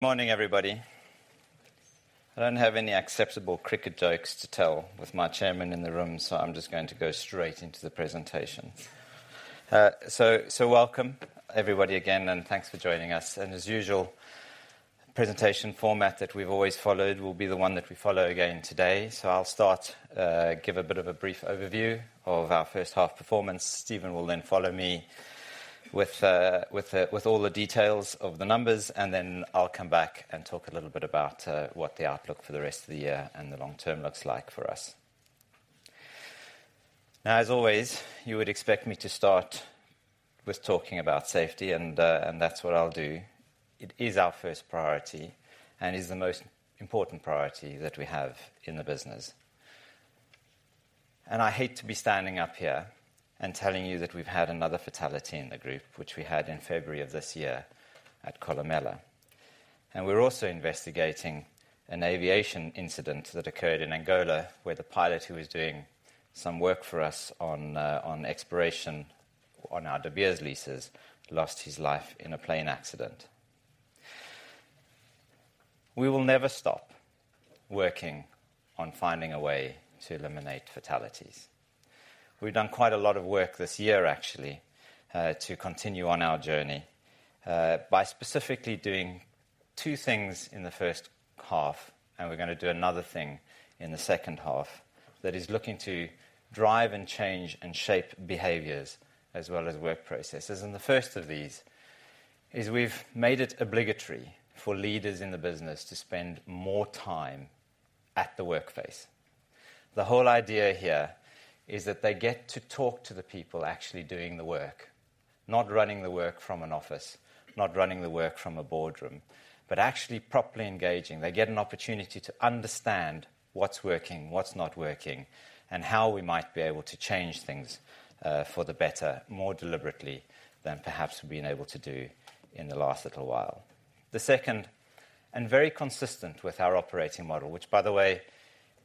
Good morning, everybody. I don't have any acceptable cricket jokes to tell with my chairman in the room, so I'm just going to go straight into the presentation. Welcome, everybody, again, and thanks for joining us. As usual, presentation format that we've always followed will be the one that we follow again today. I'll start, give a bit of a brief overview of our first half performance. Stephen will then follow me with all the details of the numbers, and then I'll come back and talk a little bit about what the outlook for the rest of the year and the long term looks like for us. Now, as always, you would expect me to start with talking about safety, and that's what I'll do. It is our first priority and is the most important priority that we have in the business. I hate to be standing up here and telling you that we've had another fatality in the group, which we had in February of this year at Kolomela. We're also investigating an aviation incident that occurred in Angola, where the pilot, who was doing some work for us on exploration on our De Beers leases, lost his life in a plane accident. We will never stop working on finding a way to eliminate fatalities. We've done quite a lot of work this year, actually, to continue on our journey, by specifically doing two things in the first half, and we're going to do another thing in the second half that is looking to drive and change and shape behaviors as well as work processes. The first of these is we've made it obligatory for leaders in the business to spend more time at the workplace. The whole idea here is that they get to talk to the people actually doing the work. Not running the work from an office, not running the work from a boardroom, but actually properly engaging. They get an opportunity to understand what's working, what's not working, and how we might be able to change things for the better, more deliberately than perhaps we've been able to do in the last little while. The second, very consistent with our operating model, which, by the way,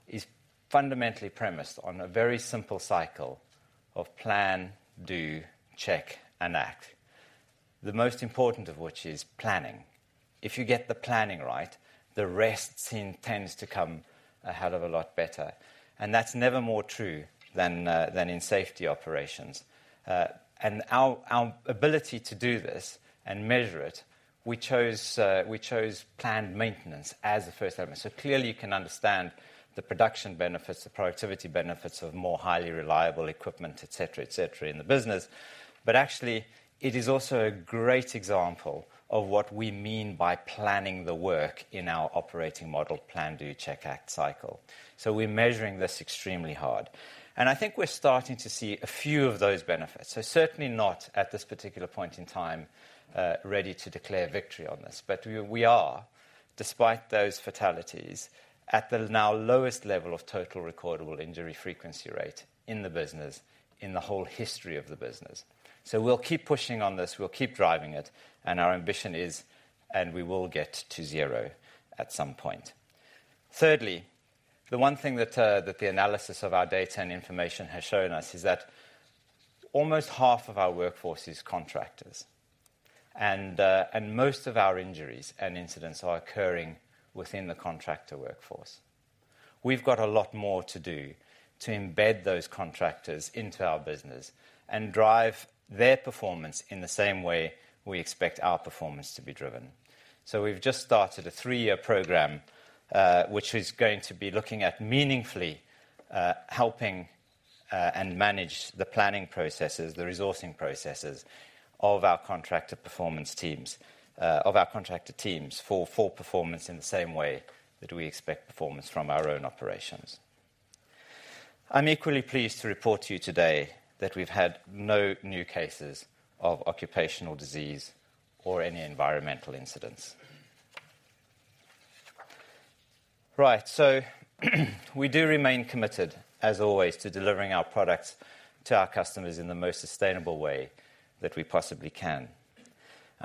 is fundamentally premised on a very simple cycle of plan, do, check, and act. The most important of which is planning. If you get the planning right, the rest then tends to come a hell of a lot better, and that's never more true than than in safety operations. Our, our ability to do this and measure it, we chose, we chose planned maintenance as the first element. Clearly, you can understand the production benefits, the productivity benefits of more highly reliable equipment, et cetera, et cetera, in the business. Actually, it is also a great example of what we mean by planning the work in our operating model: plan, do, check, act, cycle. We're measuring this extremely hard, and I think we're starting to see a few of those benefits. Certainly not, at this particular point in time, ready to declare victory on this. We are, despite those fatalities, at the now lowest level of total recordable injury frequency rate in the business, in the whole history of the business. We'll keep pushing on this, we'll keep driving it, and our ambition is, and we will get to zero at some point. Thirdly, the one thing that the analysis of our data and information has shown us is that almost half of our workforce is contractors, and most of our injuries and incidents are occurring within the contractor workforce. We've got a lot more to do to embed those contractors into our business and drive their performance in the same way we expect our performance to be driven. We've just started a three-year program, which is going to be looking at meaningfully helping and manage the planning processes, the resourcing processes of our contractor performance teams, of our contractor teams, for full performance in the same way that we expect performance from our own operations. I'm equally pleased to report to you today that we've had no new cases of occupational disease or any environmental incidents. We do remain committed, as always, to delivering our products to our customers in the most sustainable way that we possibly can.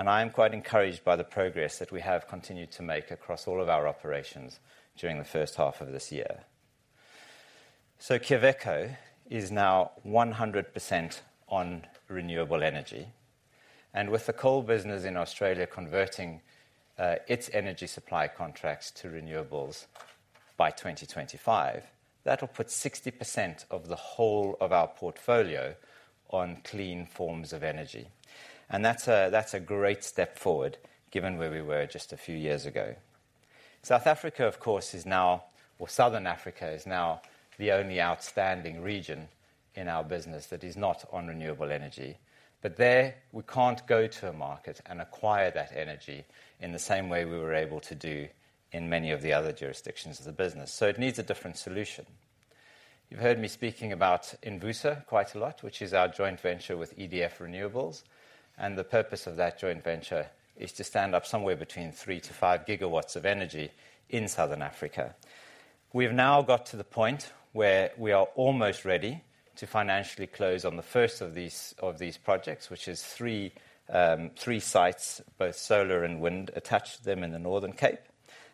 I am quite encouraged by the progress that we have continued to make across all of our operations during the first half of this year. Quellaveco is now 100% on renewable energy. With the coal business in Australia converting its energy supply contracts to renewables by 2025, that will put 60% of the whole of our portfolio on clean forms of energy. That's a, that's a great step forward, given where we were just a few years ago. South Africa, of course, or Southern Africa, is now the only outstanding region in our business that is not on renewable energy. There, we can't go to a market and acquire that energy in the same way we were able to do in many of the other jurisdictions of the business, so it needs a different solution. You've heard me speaking about Envusa quite a lot, which is our joint venture with EDF Renewables, and the purpose of that joint venture is to stand up somewhere between 3 GW-5 GW of energy in Southern Africa. We've now got to the point where we are almost ready to financially close on the first of these projects, which is three sites, both solar and wind attached to them in the Northern Cape.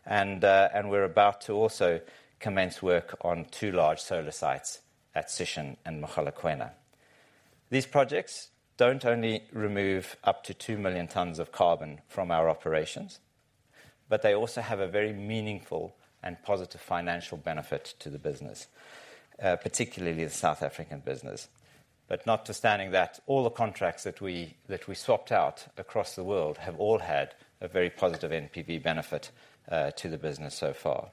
We're about to also commence work on two large solar sites at Sishen and Mogalakwena. These projects don't only remove up to 2 million tons of carbon from our operations, they also have a very meaningful and positive financial benefit to the business, particularly the South African business. Notwithstanding that, all the contracts that we, that we swapped out across the world have all had a very positive NPV benefit to the business so far.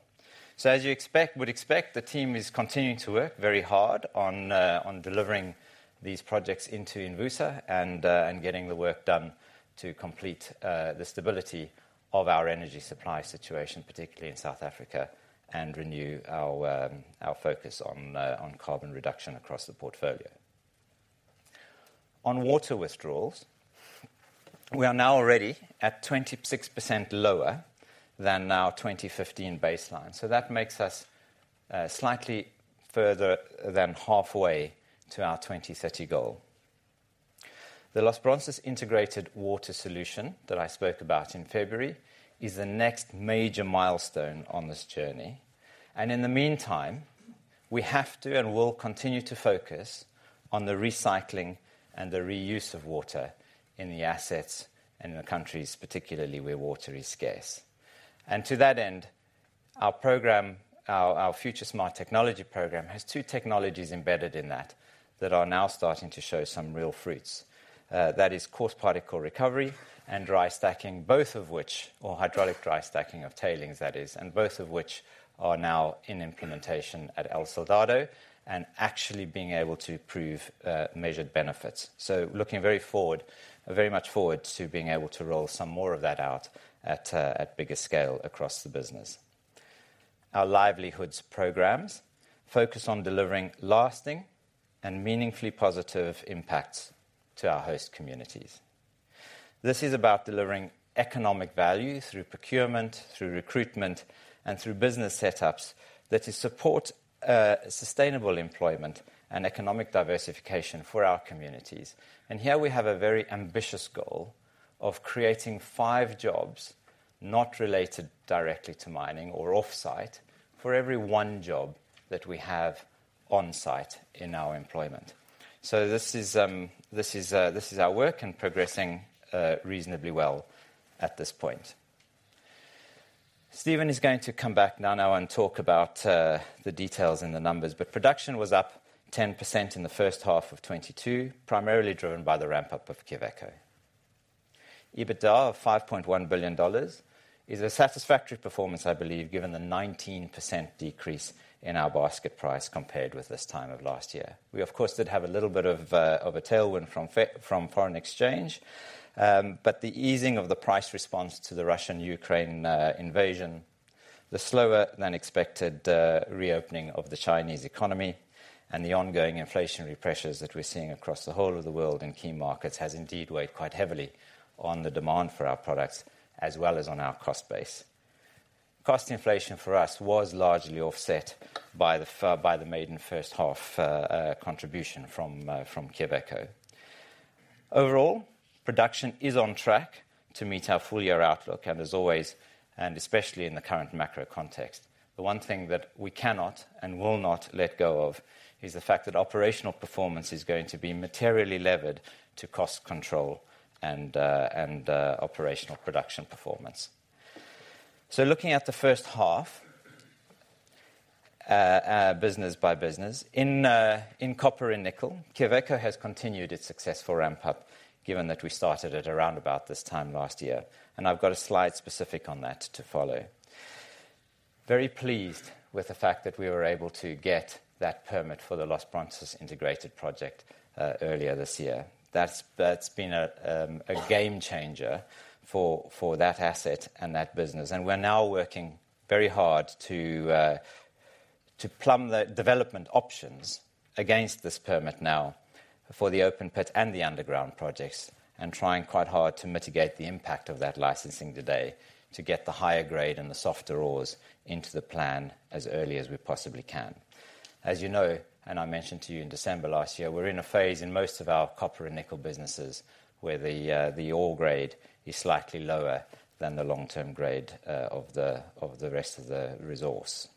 As you would expect, the team is continuing to work very hard on delivering these projects into Envusa and getting the work done to complete the stability of our energy supply situation, particularly in South Africa, and renew our focus on carbon reduction across the portfolio. On water withdrawals, we are now already at 26% lower than our 2015 baseline. That makes us slightly further than halfway to our 2030 goal. The Los Bronces integrated water solution that I spoke about in February, is the next major milestone on this journey. In the meantime, we have to and will continue to focus on the recycling and the reuse of water in the assets in the countries, particularly where water is scarce. To that end, our FutureSmart technology program has two technologies embedded in that are now starting to show some real fruits. That is coarse particle recovery and dry stacking, or hydraulic dry stacking of tailings, and both of which are now in implementation at El Soldado and actually being able to prove measured benefits. Looking very forward, very much forward to being able to roll some more of that out at bigger scale across the business. Our livelihoods programs focus on delivering lasting and meaningfully positive impacts to our host communities. This is about delivering economic value through procurement, through recruitment, and through business setups that will support sustainable employment and economic diversification for our communities. Here we have a very ambitious goal of creating five jobs, not related directly to mining or off-site, for every one job that we have on-site in our employment. This is our work and progressing reasonably well at this point. Stephen is going to come back now and talk about the details and the numbers. Production was up 10% in the first half of 2022, primarily driven by the ramp-up of Quellaveco. EBITDA of $5.1 billion is a satisfactory performance, I believe, given the 19% decrease in our basket price compared with this time of last year. We, of course, did have a little bit of a tailwind from foreign exchange, but the easing of the price response to the Russian-Ukraine invasion, the slower-than-expected reopening of the Chinese economy, and the ongoing inflationary pressures that we're seeing across the whole of the world in key markets, has indeed weighed quite heavily on the demand for our products, as well as on our cost base. Cost inflation for us was largely offset by the maiden first half contribution from Quellaveco. Overall, production is on track to meet our full-year outlook, and as always, and especially in the current macro context, the one thing that we cannot and will not let go of is the fact that operational performance is going to be materially levered to cost control and operational production performance. Looking at the first half, business by business, in copper and nickel, Quellaveco has continued its successful ramp-up, given that we started it around about this time last year. I've got a slide specific on that to follow. Very pleased with the fact that we were able to get that permit for the Los Bronces integrated project earlier this year. That's been a game changer for that asset and that business. We're now working very hard to plumb the development options against this permit now for the open pit and the underground projects, trying quite hard to mitigate the impact of that licensing today, to get the higher grade and the softer ores into the plan as early as we possibly can. As you know, I mentioned to you in December last year, we're in a phase in most of our copper and nickel businesses, where the ore grade is slightly lower than the long-term grade of the rest of the resource.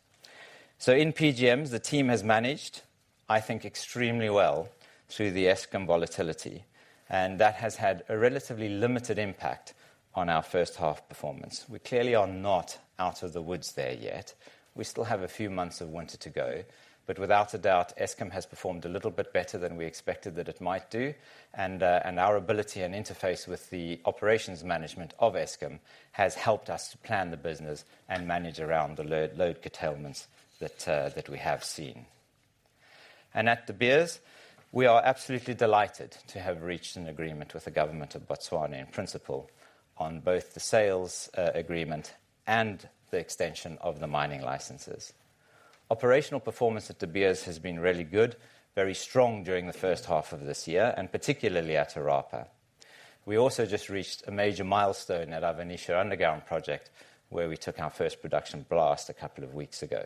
In PGMs, the team has managed, I think, extremely well through the Eskom volatility. That has had a relatively limited impact on our first half performance. We clearly are not out of the woods there yet. We still have a few months of winter to go. Without a doubt, Eskom has performed a little bit better than we expected that it might do, and our ability and interface with the operations management of Eskom has helped us to plan the business and manage around the load curtailments that we have seen. At De Beers, we are absolutely delighted to have reached an agreement with the government of Botswana, in principle, on both the sales agreement and the extension of the mining licenses. Operational performance at De Beers has been really good, very strong during the first half of this year, and particularly at Orapa. We also just reached a major milestone at our Venetia Underground project, where we took our first production blast a couple of weeks ago.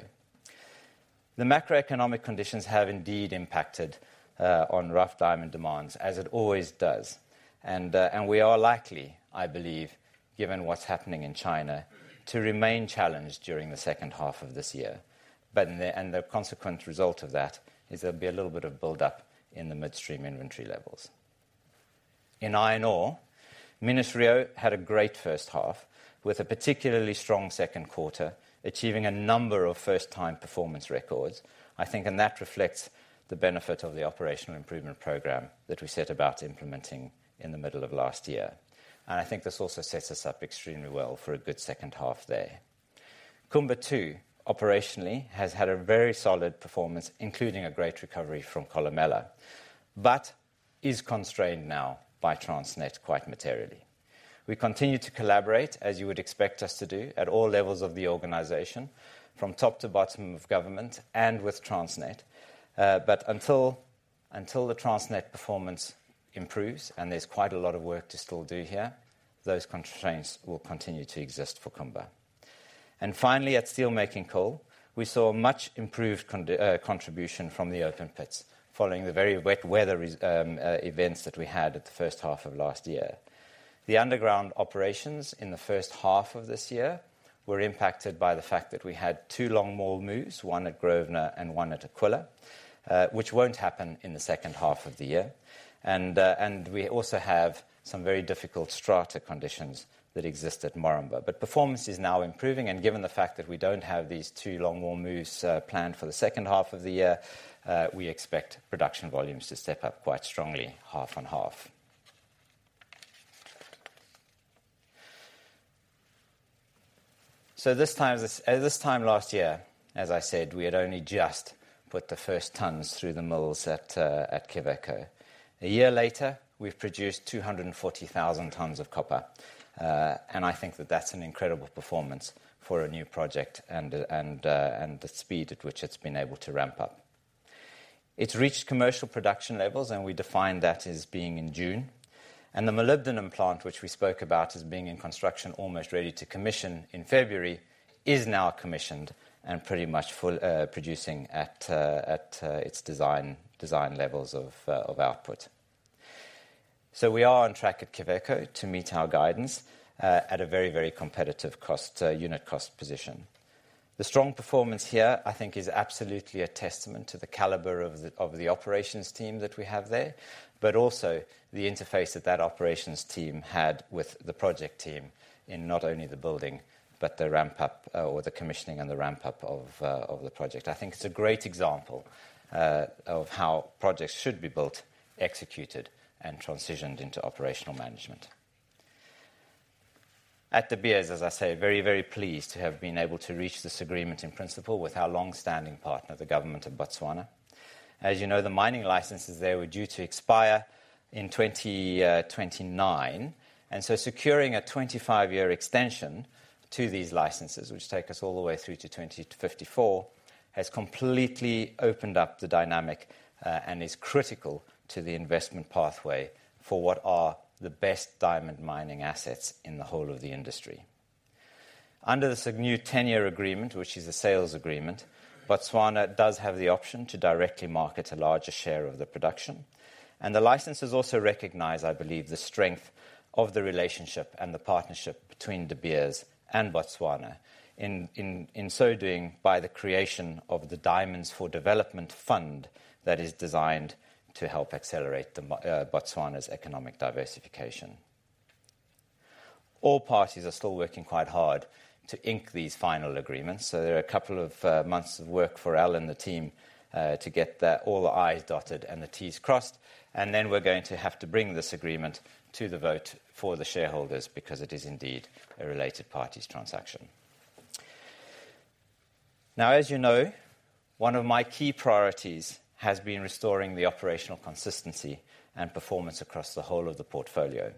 The macroeconomic conditions have indeed impacted on rough diamond demands, as it always does, and we are likely, I believe, given what's happening in China, to remain challenged during the second half of this year. The consequent result of that is there'll be a little bit of build-up in the midstream inventory levels. In iron ore, Minas-Rio had a great first half, with a particularly strong second quarter, achieving a number of first-time performance records. I think that reflects the benefit of the operational improvement program that we set about implementing in the middle of last year. I think this also sets us up extremely well for a good second half there. Kumba too, operationally, has had a very solid performance, including a great recovery from Kolomela, but is constrained now by Transnet quite materially. We continue to collaborate, as you would expect us to do, at all levels of the organization, from top to bottom of government and with Transnet. Until the Transnet performance improves, and there's quite a lot of work to still do here, those constraints will continue to exist for Kumba. Finally, at steelmaking coal, we saw a much improved contribution from the open pits, following the very wet weather events that we had at the first half of last year. The underground operations in the first half of this year were impacted by the fact that we had two longwall moves, one at Grosvenor and one at Aquila, which won't happen in the second half of the year. We also have some very difficult strata conditions that exist at Moranbah. Performance is now improving, and given the fact that we don't have these two longwall moves planned for the second half of the year, we expect production volumes to step up quite strongly, 50/50. This time last year, as I said, we had only just put the first tons through the mills at Quellaveco. A year later, we've produced 240,000 tons of copper, and I think that that's an incredible performance for a new project and the speed at which it's been able to ramp up. It's reached commercial production levels, and we define that as being in June. The molybdenum plant, which we spoke about as being in construction, almost ready to commission in February, is now commissioned and pretty much full, producing at its design levels of output. We are on track at Quellaveco to meet our guidance at a very, very competitive cost unit cost position. The strong performance here, I think, is absolutely a testament to the caliber of the operations team that we have there, but also the interface that that operations team had with the project team in not only the building, but the ramp-up, or the commissioning and the ramp-up of the project. I think it's a great example of how projects should be built, executed, and transitioned into operational management. At De Beers, as I say, very pleased to have been able to reach this agreement in principle with our long-standing partner, the Government of Botswana. As you know, the mining licenses there were due to expire in 2029, securing a 25-year extension to these licenses, which take us all the way through to 2054, has completely opened up the dynamic and is critical to the investment pathway for what are the best diamond mining assets in the whole of the industry. Under this new 10-year agreement, which is a sales agreement, Botswana does have the option to directly market a larger share of the production. The licenses also recognize, I believe, the strength of the relationship and the partnership between De Beers and Botswana. In so doing, by the creation of the Diamonds for Development Fund that is designed to help accelerate Botswana's economic diversification. All parties are still working quite hard to ink these final agreements. There are a couple of months of work for Al and the team to get all the I's dotted and the T's crossed. We're going to have to bring this agreement to the vote for the shareholders because it is indeed a related parties transaction. As you know, one of my key priorities has been restoring the operational consistency and performance across the whole of the portfolio.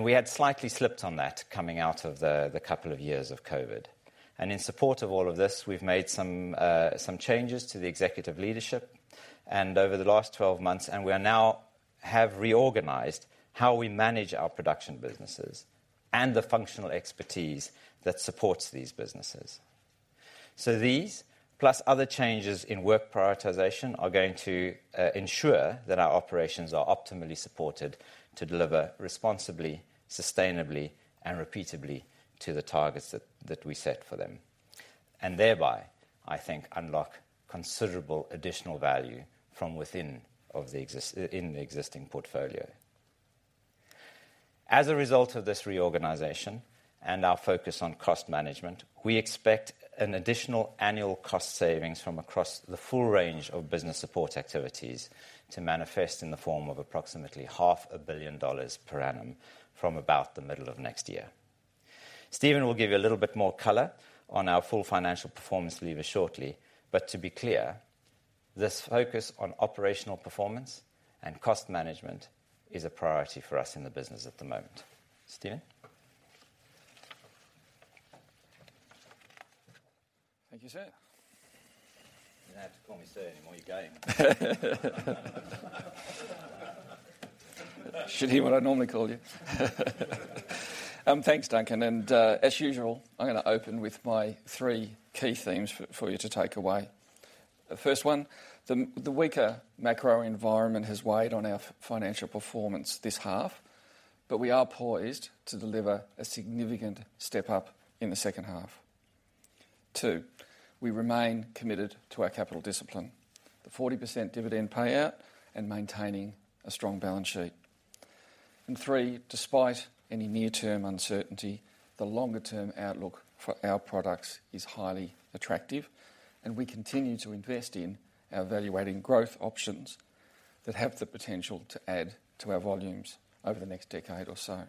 We had slightly slipped on that coming out of the couple of years of COVID. In support of all of this, we've made some changes to the executive leadership, and over the last 12 months, we have reorganized how we manage our production businesses and the functional expertise that supports these businesses. These, plus other changes in work prioritization, are going to ensure that our operations are optimally supported to deliver responsibly, sustainably, and repeatably to the targets that we set for them, and thereby, I think, unlock considerable additional value in the existing portfolio. As a result of this reorganization and our focus on cost management, we expect an additional annual cost savings from across the full range of business support activities to manifest in the form of approximately $500 million per annum from about the middle of next year. Stephen will give you a little bit more color on our full financial performance later shortly. To be clear, this focus on operational performance and cost management is a priority for us in the business at the moment. Stephen? Thank you, sir. You don't have to call me sir anymore, you're game. Should hear what I normally call you. Thanks, Duncan, and as usual, I'm going to open with my three key themes for you to take away. The first one, the weaker macro environment has weighed on our financial performance this half, but we are poised to deliver a significant step up in the second half. Two, we remain committed to our capital discipline, the 40% dividend payout, and maintaining a strong balance sheet. Three, despite any near-term uncertainty, the longer-term outlook for our products is highly attractive, and we continue to invest in our evaluating growth options that have the potential to add to our volumes over the next decade or so.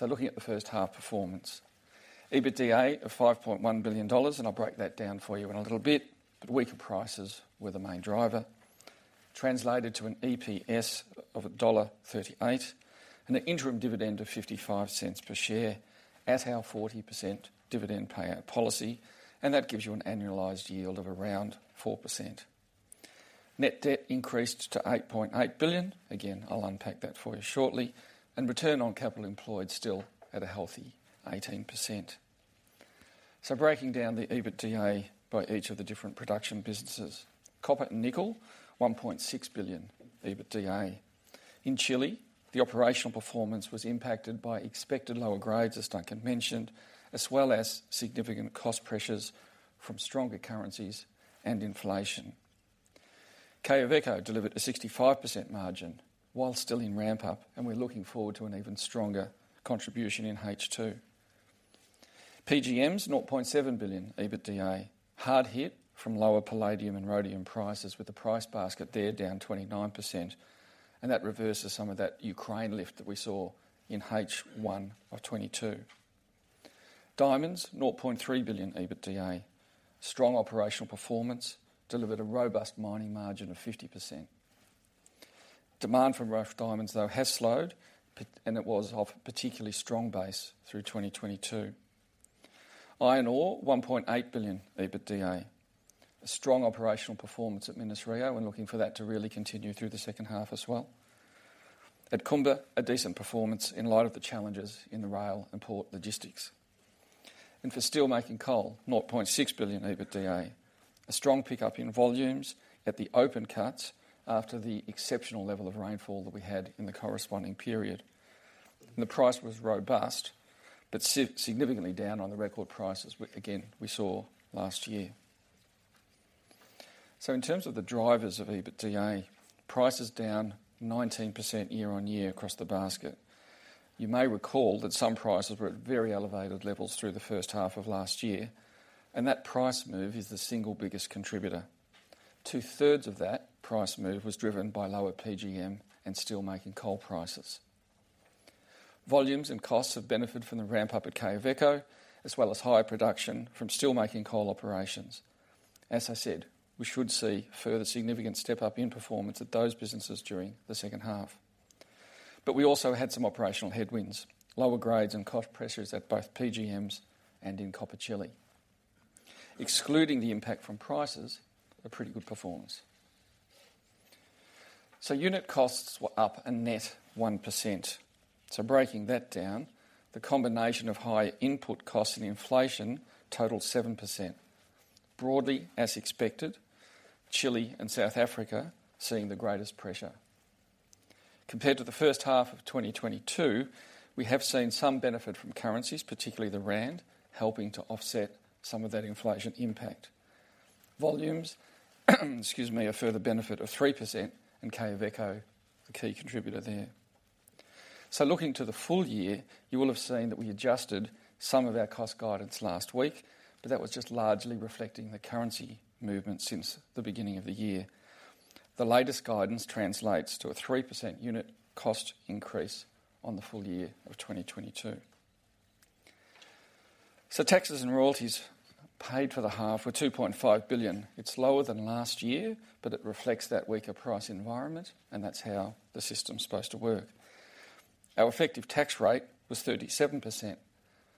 Looking at the first half performance, EBITDA of $5.1 billion, and I'll break that down for you in a little bit, but weaker prices were the main driver. Translated to an EPS of $1.38, and an interim dividend of $0.55 per share at our 40% dividend payout policy, and that gives you an annualized yield of around 4%. Net debt increased to $8.8 billion. Again, I'll unpack that for you shortly. Return on capital employed still at a healthy 18%. Breaking down the EBITDA by each of the different production businesses. Copper and nickel, $1.6 billion EBITDA. In Chile, the operational performance was impacted by expected lower grades, as Duncan mentioned, as well as significant cost pressures from stronger currencies and inflation. Quellaveco delivered a 65% margin while still in ramp-up. We're looking forward to an even stronger contribution in H2. PGMs, $0.7 billion EBITDA, hard hit from lower palladium and rhodium prices, with the price basket there down 29%. That reverses some of that Ukraine lift that we saw in H1 of 2022. Diamonds, $0.3 billion EBITDA. Strong operational performance delivered a robust mining margin of 50%. Demand from rough diamonds, though, has slowed, and it was of a particularly strong base through 2022. Iron ore, $1.8 billion EBITDA. A strong operational performance at Minas-Rio. We're looking for that to really continue through the second half as well. At Kumba, a decent performance in light of the challenges in the rail and port logistics. For steel making coal, $0.6 billion EBITDA. A strong pickup in volumes at the open cuts after the exceptional level of rainfall that we had in the corresponding period. The price was robust, significantly down on the record prices, again, we saw last year. In terms of the drivers of EBITDA, price is down 19% year-on-year across the basket. You may recall that some prices were at very elevated levels through the first half of last year, and that price move is the single biggest contributor. Two-thirds of that price move was driven by lower PGM and steel making coal prices. Volumes and costs have benefited from the ramp-up at Quellaveco, as well as higher production from steel making coal operations. As I said, we should see a further significant step-up in performance at those businesses during the second half. We also had some operational headwinds, lower grades and cost pressures at both PGMs and in Copper Chile. Excluding the impact from prices, a pretty good performance. Unit costs were up a net 1%. Breaking that down, the combination of higher input costs and inflation totaled 7%. Broadly as expected, Chile and South Africa seeing the greatest pressure. Compared to the first half of 2022, we have seen some benefit from currencies, particularly the rand, helping to offset some of that inflation impact. Volumes, excuse me, a further benefit of 3%, and Quellaveco, the key contributor there. Looking to the full year, you will have seen that we adjusted some of our cost guidance last week, that was just largely reflecting the currency movement since the beginning of the year. The latest guidance translates to a 3% unit cost increase on the full year of 2022. Taxes and royalties paid for the half were $2.5 billion. It's lower than last year, it reflects that weaker price environment, that's how the system's supposed to work. Our effective tax rate was 37%.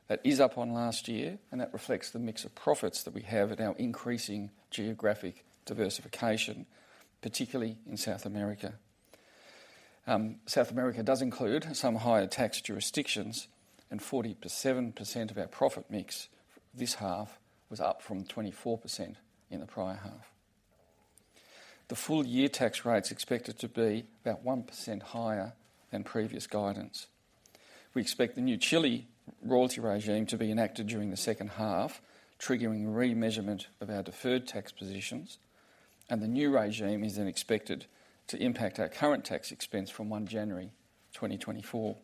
That is up on last year, that reflects the mix of profits that we have and our increasing geographic diversification, particularly in South America. South America does include some higher tax jurisdictions, 47% of our profit mix this half was up from 24% in the prior half. The full-year tax rate's expected to be about 1% higher than previous guidance. We expect the new Chile royalty regime to be enacted during the second half, triggering re-measurement of our deferred tax positions. The new regime is then expected to impact our current tax expense from 1 January, 2024.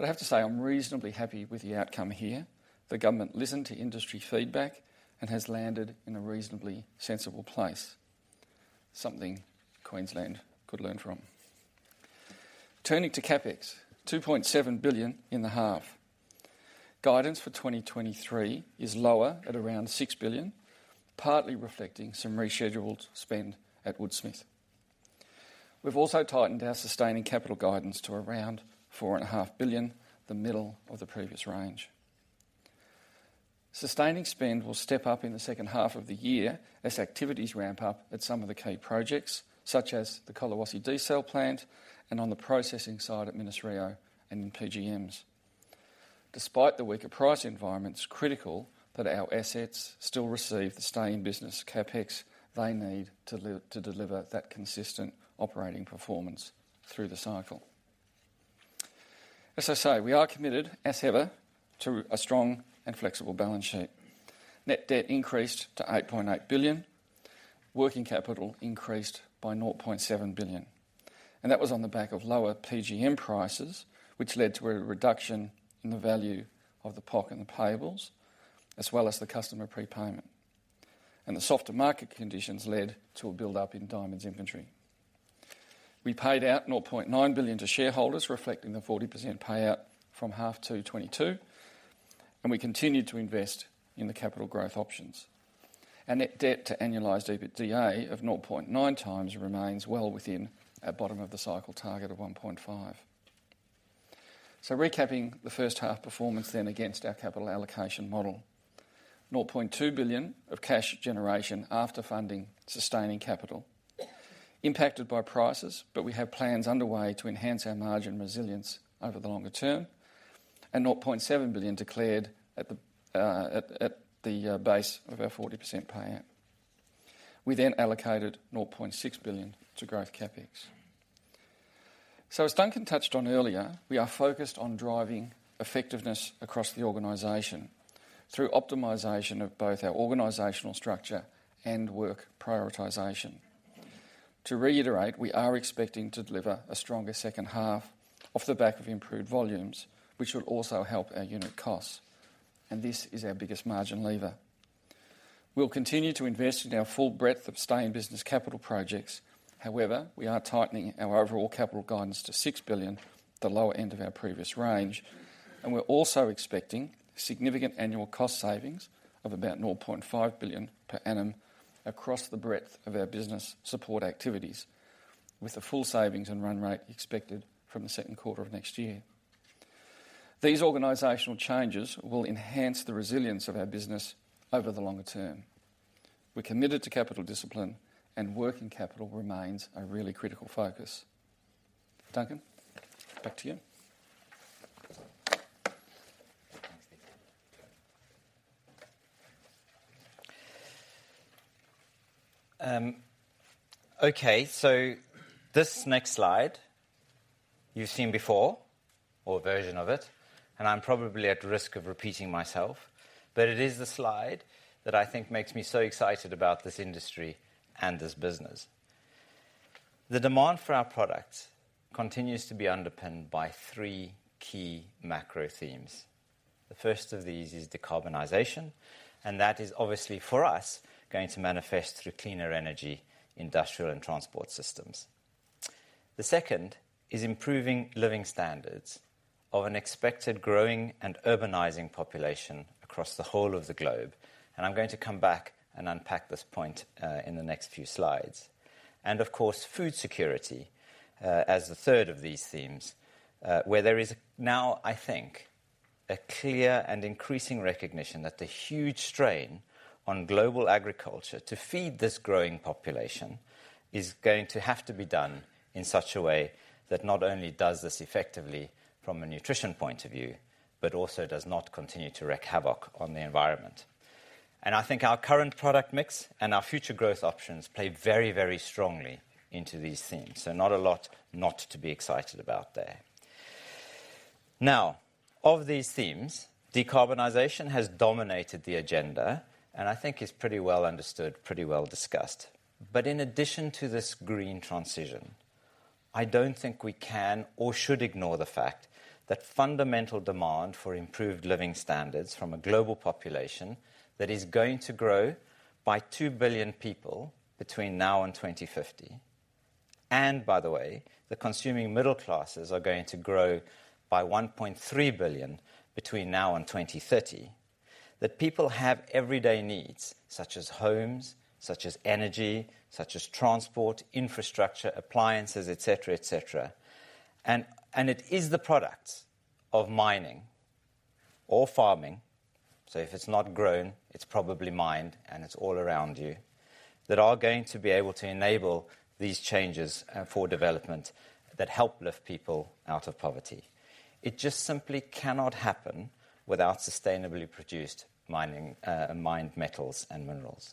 I have to say, I'm reasonably happy with the outcome here. The government listened to industry feedback and has landed in a reasonably sensible place, something Queensland could learn from. Turning to CapEx, $2.7 billion in the half. Guidance for 2023 is lower at around $6 billion, partly reflecting some rescheduled spend at Woodsmith. We've also tightened our sustaining capital guidance to around $4.5 billion, the middle of the previous range. Sustaining spend will step up in the second half of the year as activities ramp up at some of the key projects, such as the Collahuasi D-Cell plant and on the processing side at Minas-Rio and in PGMs. Despite the weaker price environment, it's critical that our assets still receive the sustaining business CapEx they need to deliver that consistent operating performance through the cycle. As I say, we are committed, as ever, to a strong and flexible balance sheet. Net debt increased to $8.8 billion, working capital increased by $0.7 billion, and that was on the back of lower PGM prices, which led to a reduction in the value of the POC and the payables, as well as the customer prepayment. The softer market conditions led to a build-up in diamonds inventory. We paid out $0.9 billion to shareholders, reflecting the 40% payout from half to 2022, we continued to invest in the capital growth options. Our net debt to annualized EBITDA of 0.9x remains well within our bottom of the cycle target of 1.5. Recapping the first half performance against our capital allocation model, $0.2 billion of cash generation after funding sustaining capital. Impacted by prices, we have plans underway to enhance our margin resilience over the longer term, $0.7 billion declared at the base of our 40% payout. We allocated $0.6 billion to growth CapEx. As Duncan touched on earlier, we are focused on driving effectiveness across the organization through optimization of both our organizational structure and work prioritization. To reiterate, we are expecting to deliver a stronger second half off the back of improved volumes, which will also help our unit costs, and this is our biggest margin lever. We'll continue to invest in our full breadth of sustained business capital projects. However, we are tightening our overall capital guidance to $6 billion, the lower end of our previous range, and we're also expecting significant annual cost savings of about $0.5 billion per annum across the breadth of our business support activities, with the full savings and run rate expected from the second quarter of next year. These organizational changes will enhance the resilience of our business over the longer term. We're committed to capital discipline, and working capital remains a really critical focus. Duncan, back to you. Okay. This next slide, you've seen before or a version of it. I'm probably at risk of repeating myself, but it is the slide that I think makes me so excited about this industry and this business. The demand for our products continues to be underpinned by three key macro themes. The first of these is decarbonization. That is obviously, for us, going to manifest through cleaner energy, industrial, and transport systems. The second is improving living standards of an expected growing and urbanizing population across the whole of the globe. I'm going to come back and unpack this point in the next few slides. Of course, food security, as the third of these themes, where there is now, I think, a clear and increasing recognition that the huge strain on global agriculture to feed this growing population is going to have to be done in such a way that not only does this effectively from a nutrition point of view, but also does not continue to wreak havoc on the environment. I think our current product mix and our future growth options play very, very strongly into these themes. Not a lot not to be excited about there. Now, of these themes, decarbonization has dominated the agenda, and I think it's pretty well understood, pretty well discussed. In addition to this green transition, I don't think we can or should ignore the fact that fundamental demand for improved living standards from a global population that is going to grow by 2 billion people between now and 2050, and by the way, the consuming middle classes are going to grow by 1.3 billion between now and 2030. People have everyday needs, such as homes, such as energy, such as transport, infrastructure, appliances, et cetera, et cetera. It is the products of mining or farming, so if it's not grown, it's probably mined, and it's all around you, that are going to be able to enable these changes for development that help lift people out of poverty. It just simply cannot happen without sustainably produced mining, mined metals and minerals.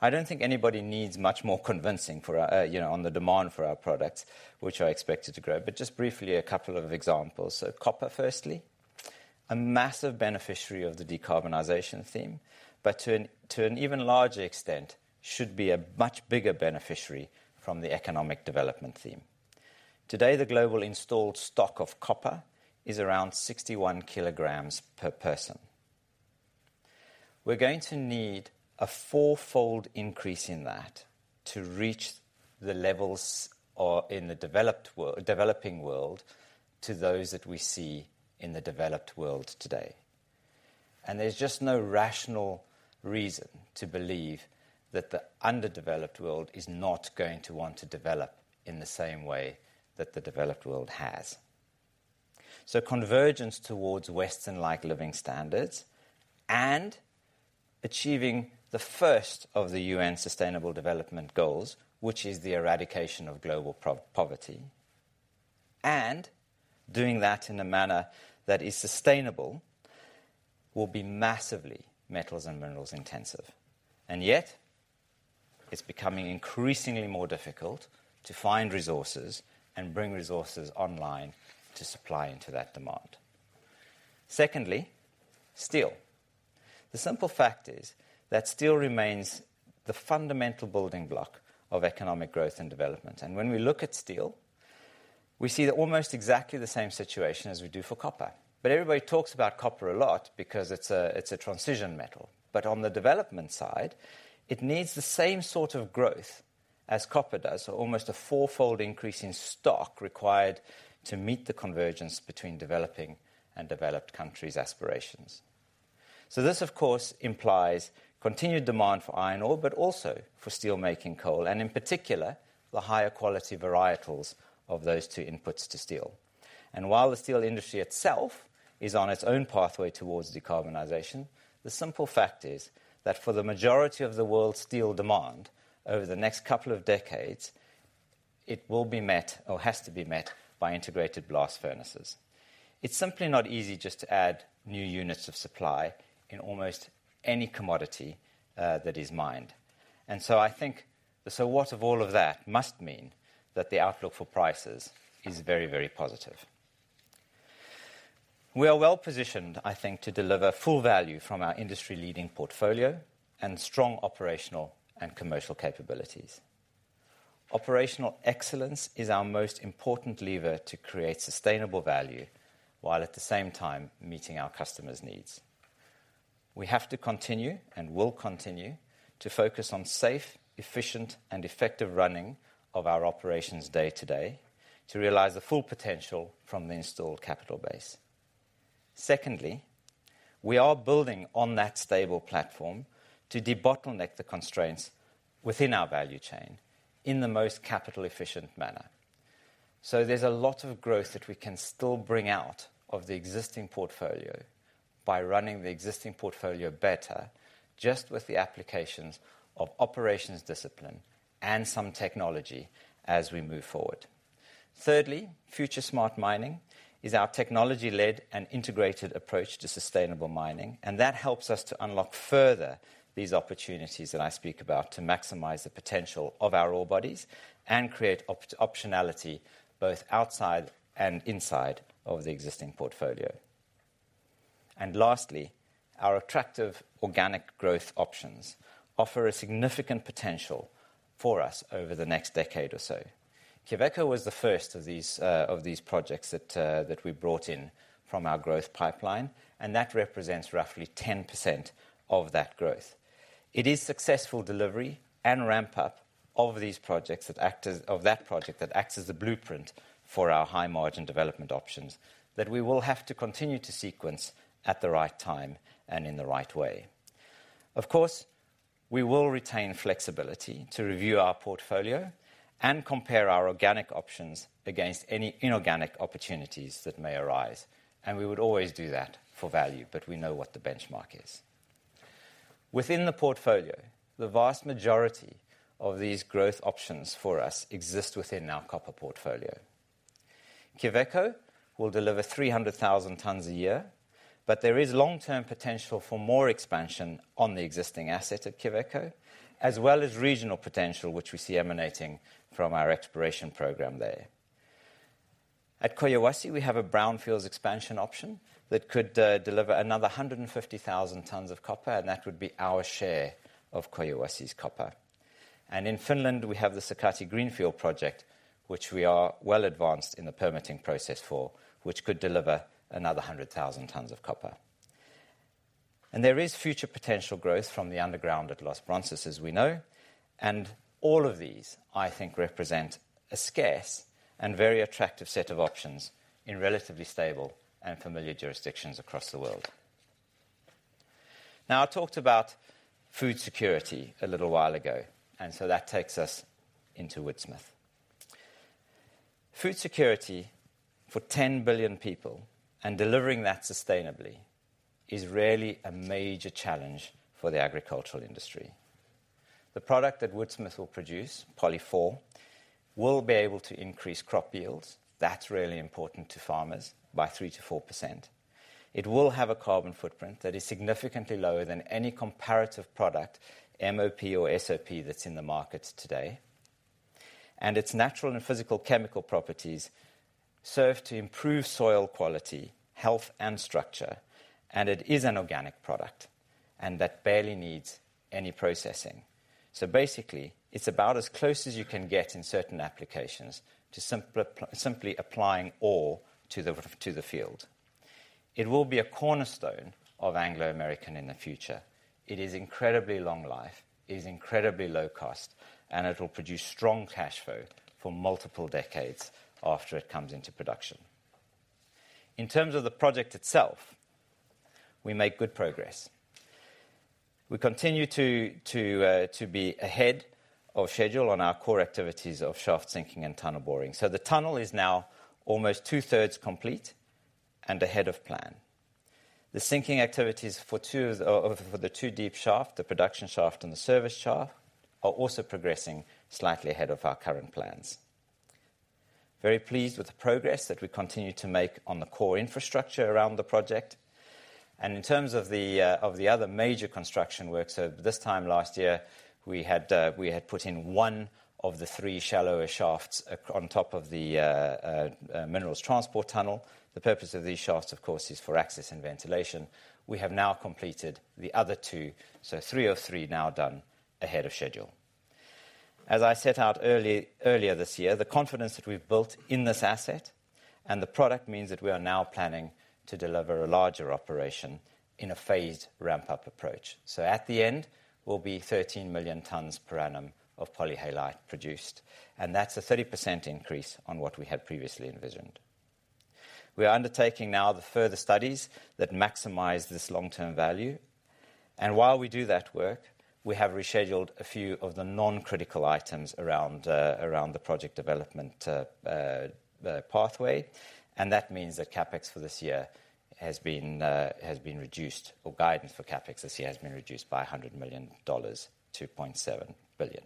I don't think anybody needs much more convincing for, you know, on the demand for our products, which are expected to grow. Just briefly, a couple of examples. Copper, firstly, a massive beneficiary of the decarbonization theme, but to an even larger extent, should be a much bigger beneficiary from the economic development theme. Today, the global installed stock of copper is around 61 kg per person. We're going to need a fourfold increase in that to reach the levels or in the developing world, to those that we see in the developed world today. There's just no rational reason to believe that the underdeveloped world is not going to want to develop in the same way that the developed world has. Convergence towards Western-like living standards and achieving the first of the UN Sustainable Development Goals, which is the eradication of global poverty, and doing that in a manner that is sustainable. Yet it's becoming increasingly more difficult to find resources and bring resources online to supply into that demand. Secondly, steel. The simple fact is that steel remains the fundamental building block of economic growth and development. When we look at steel, we see almost exactly the same situation as we do for copper. Everybody talks about copper a lot because it's a transition metal. On the development side, it needs the same sort of growth as copper does. Almost a fourfold increase in stock required to meet the convergence between developing and developed countries' aspirations. This, of course, implies continued demand for iron ore, but also for steelmaking coal, and in particular, the higher quality varietals of those two inputs to steel. While the steel industry itself is on its own pathway towards decarbonization, the simple fact is that for the majority of the world's steel demand over the next couple of decades, it will be met or has to be met by integrated blast furnaces. It's simply not easy just to add new units of supply in almost any commodity that is mined. I think the so what of all of that must mean that the outlook for prices is very, very positive. We are well-positioned, I think, to deliver full value from our industry-leading portfolio and strong operational and commercial capabilities. Operational excellence is our most important lever to create sustainable value, while at the same time meeting our customers' needs. We have to continue and will continue to focus on safe, efficient, and effective running of our operations day-to-day to realize the full potential from the installed capital base. Secondly, we are building on that stable platform to debottleneck the constraints within our value chain in the most capital-efficient manner. There's a lot of growth that we can still bring out of the existing portfolio by running the existing portfolio better, just with the applications of operations discipline and some technology as we move forward. Thirdly, FutureSmart Mining is our technology-led and integrated approach to sustainable mining. That helps us to unlock further these opportunities that I speak about to maximize the potential of our ore bodies and create optionality both outside and inside of the existing portfolio. Lastly, our attractive organic growth options offer a significant potential for us over the next decade or so. Quellaveco was the first of these projects that we brought in from our growth pipeline, that represents roughly 10% of that growth. It is successful delivery and ramp up of these projects that act as of that project, that acts as a blueprint for our high-margin development options that we will have to continue to sequence at the right time and in the right way. Of course, we will retain flexibility to review our portfolio and compare our organic options against any inorganic opportunities that may arise, and we would always do that for value, but we know what the benchmark is. Within the portfolio, the vast majority of these growth options for us exist within our copper portfolio. Quellaveco will deliver 300,000 tons a year, but there is long-term potential for more expansion on the existing asset at Quellaveco, as well as regional potential, which we see emanating from our exploration program there. At Collahuasi, we have a brownfields expansion option that could deliver another 150,000 tons of copper, and that would be our share of Collahuasi's copper. In Finland, we have the Sakatti greenfield project, which we are well advanced in the permitting process for, which could deliver another 100,000 tons of copper. There is future potential growth from the underground at Los Bronces, as we know, and all of these, I think, represent a scarce and very attractive set of options in relatively stable and familiar jurisdictions across the world. I talked about food security a little while ago, that takes us into Woodsmith. Food security for 10 billion people and delivering that sustainably is really a major challenge for the agricultural industry. The product that Woodsmith will produce, POLY4, will be able to increase crop yields, that's really important to farmers, by 3%-4%. It will have a carbon footprint that is significantly lower than any comparative product, MOP or SOP, that's in the market today. Its natural and physical chemical properties serve to improve soil quality, health, and structure, and it is an organic product, and that barely needs any processing. Basically, it's about as close as you can get in certain applications to simply applying ore to the field. It will be a cornerstone of Anglo American in the future. It is incredibly long-life, it is incredibly low cost, and it will produce strong cash flow for multiple decades after it comes into production. In terms of the project itself, we make good progress. We continue to be ahead of schedule on our core activities of shaft sinking and tunnel boring. The tunnel is now almost 2/3 complete and ahead of plan. The sinking activities for the two deep shaft, the production shaft and the service shaft, are also progressing slightly ahead of our current plans. Very pleased with the progress that we continue to make on the core infrastructure around the project. In terms of the other major construction work, this time last year, we had put in one of the three shallower shafts on top of the minerals transport tunnel. The purpose of these shafts, of course, is for access and ventilation. We have now completed the other two, three of three now done ahead of schedule. As I set out early, earlier this year, the confidence that we've built in this asset and the product means that we are now planning to deliver a larger operation in a phased ramp-up approach. At the end, we'll be 13 million tons per annum of polyhalite produced, and that's a 30% increase on what we had previously envisioned. We are undertaking now the further studies that maximize this long-term value, while we do that work, we have rescheduled a few of the non-critical items around the project development, the pathway. That means that CapEx for this year has been reduced, or guidance for CapEx this year has been reduced by $100 million-$0.7 billion.